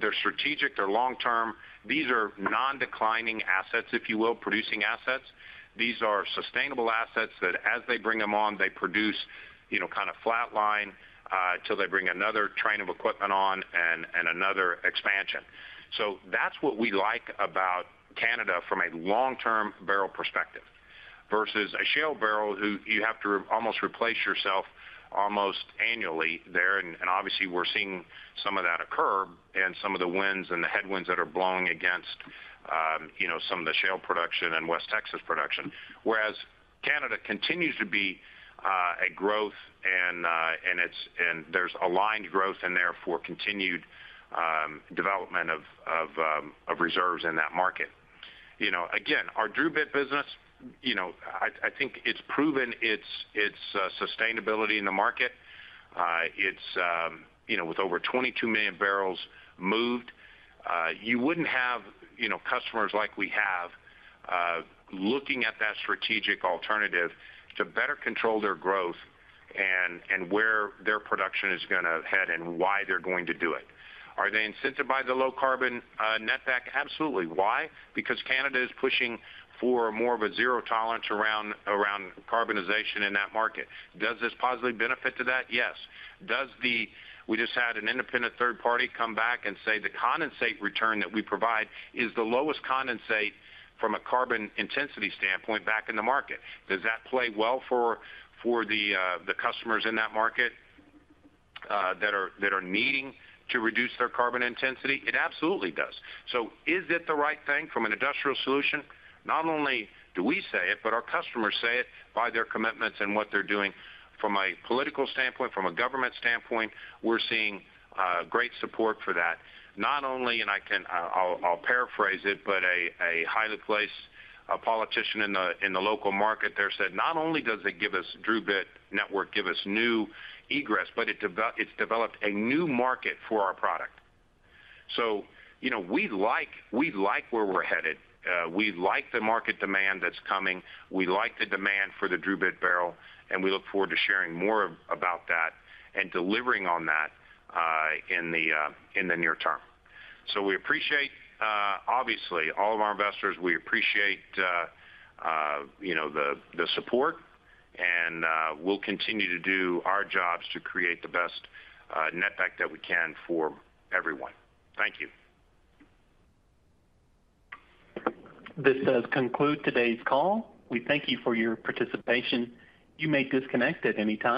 They're strategic, they're long-term. These are non-declining assets, if you will, producing assets. These are sustainable assets that as they bring them on, they produce kind of flatline till they bring another train of equipment on and another expansion. That's what we like about Canada from a long-term barrel perspective, versus a shale barrel who you have to almost replace yourself almost annually there. Obviously we're seeing some of that occur and some of the wins and the headwinds that are blowing against, you know, some of the shale production and West Texas production. Whereas Canada continues to be a growth and there's aligned growth and therefore continued development of reserves in that market. You know, again, our DRUbit business, you know, I think it's proven its sustainability in the market. It's you know, with over 22 million bbl moved, you wouldn't have customers like we have looking at that strategic alternative to better control their growth and where their production is gonna head and why they're going to do it. Are they incented by the low carbon netback? Absolutely. Why? Because Canada is pushing for more of a zero tolerance around carbonization in that market. Does this positively benefit to that? Yes. We just had an independent third party come back and say the condensate return that we provide is the lowest condensate from a carbon intensity standpoint back in the market. Does that play well for the customers in that market that are needing to reduce their carbon intensity? It absolutely does. Is it the right thing from an industrial solution? Not only do we say it, but our customers say it by their commitments and what they're doing from a political standpoint, from a government standpoint. We're seeing great support for that. Not only, and I can paraphrase it, but a highly placed politician in the local market there said, "Not only does it give us DRUbit network, give us new egress, but it's developed a new market for our product." You know, we like where we're headed. We like the market demand that's coming. We like the demand for the DRUbit barrel, and we look forward to sharing more about that and delivering on that in the near term. We appreciate obviously all of our investors. We appreciate, you know, the support, and we'll continue to do our jobs to create the best netback that we can for everyone. Thank you. This does conclude today's call. We thank you for your participation. You may disconnect at any time.